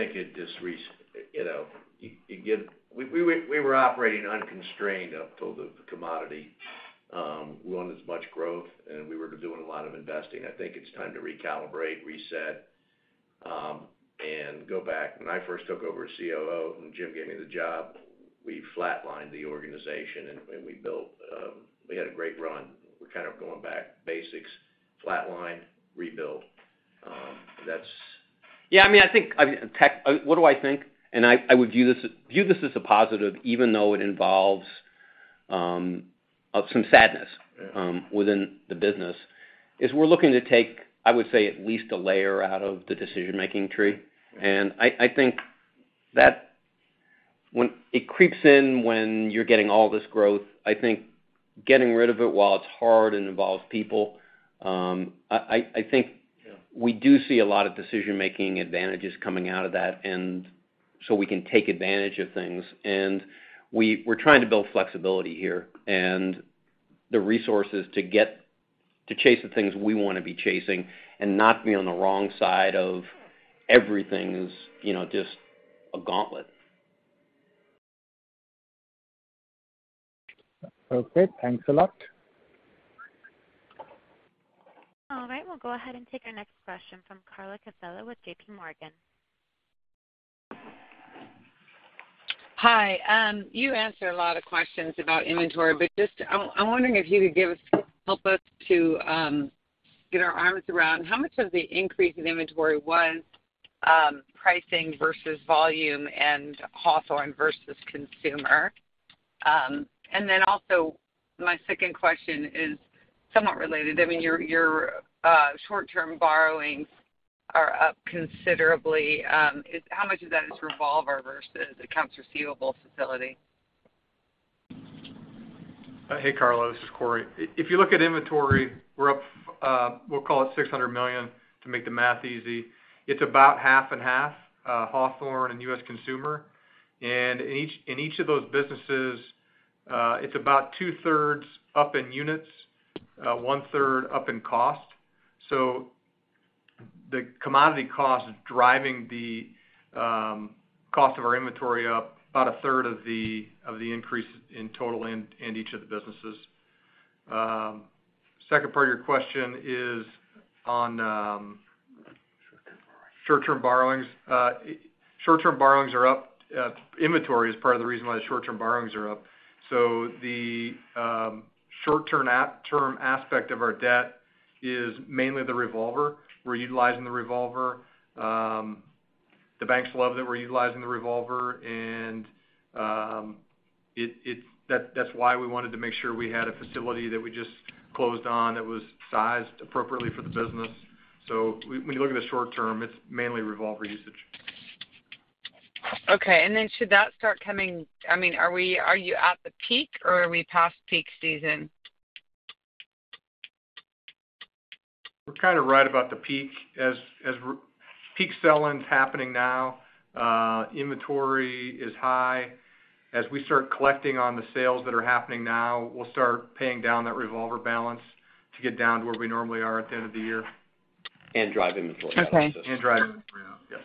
we were operating unconstrained up till the commodity. We wanted as much growth, and we were doing a lot of investing. I think it's time to recalibrate, reset, and go back. When I first took over as COO, when Jim gave me the job, we flatlined the organization and we built. We had a great run. We're kind of going back to basics, flatline, rebuild. That's. Yeah. I mean, I think, I mean, what do I think? I would view this as a positive, even though it involves of some sadness. Yeah. within the business, is we're looking to take, I would say, at least a layer out of the decision-making tree. I think- It creeps in when you're getting all this growth. I think getting rid of it while it's hard and involves people, I think Yeah. We do see a lot of decision-making advantages coming out of that, and so we can take advantage of things. We're trying to build flexibility here, and the resources to get to chase the things we wanna be chasing and not be on the wrong side of everything is, you know, just a gauntlet. Okay, thanks a lot. All right. We'll go ahead and take our next question from Carla Casella with JPMorgan. Hi. You answered a lot of questions about inventory, but I'm wondering if you could help us to get our arms around how much of the increase in inventory was pricing versus volume and Hawthorne versus consumer. Also, my second question is somewhat related. I mean, your short-term borrowings are up considerably. How much of that is revolver versus accounts receivable facility? Hey, Carla, this is Cory. If you look at inventory, we're up, we'll call it $600 million to make the math easy. It's about half and half, Hawthorne and U.S. Consumer. In each of those businesses, it's about 2/3 up in units, 1/3 up in cost. The commodity cost is driving the cost of our inventory up about a third of the increase in total in each of the businesses. Second part of your question is on, Short-term borrowings. Short-term borrowings. Short-term borrowings are up. Inventory is part of the reason why short-term borrowings are up. The short-term aspect of our debt is mainly the revolver. We're utilizing the revolver. The banks love that we're utilizing the revolver, and that's why we wanted to make sure we had a facility that we just closed on that was sized appropriately for the business. When you look at the short-term, it's mainly revolver usage. Okay. Should that start coming, I mean, are you at the peak, or are we past peak season? We're kind of right about the peak. Peak sell-in's happening now. Inventory is high. As we start collecting on the sales that are happening now, we'll start paying down that revolver balance to get down to where we normally are at the end of the year. Drive inventory down. Okay. Drive inventory down.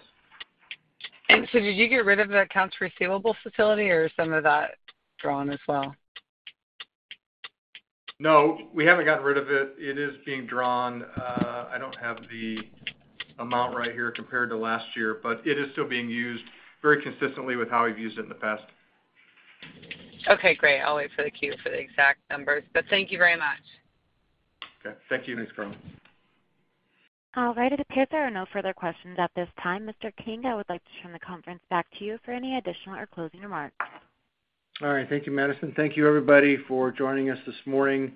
Yes. Did you get rid of the accounts receivable facility or some of that drawn as well? No, we haven't gotten rid of it. It is being drawn. I don't have the amount right here compared to last year, but it is still being used very consistently with how we've used it in the past. Okay, great. I'll wait for the queue for the exact numbers, but thank you very much. Okay. Thank you. Thanks, Carla. All right. It appears there are no further questions at this time. Mr. King, I would like to turn the conference back to you for any additional or closing remarks. All right. Thank you, Madison. Thank you, everybody, for joining us this morning.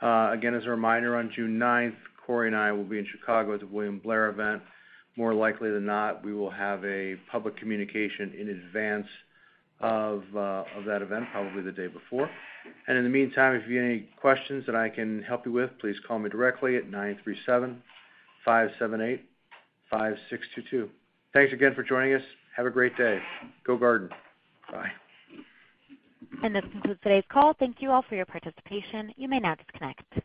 Again, as a reminder, on June 9th, Cory and I will be in Chicago at the William Blair event. More likely than not, we will have a public communication in advance of that event, probably the day before. In the meantime, if you've any questions that I can help you with, please call me directly at 937-578-5622. Thanks again for joining us. Have a great day. Go Garden. Bye. This concludes today's call. Thank you all for your participation. You may now disconnect.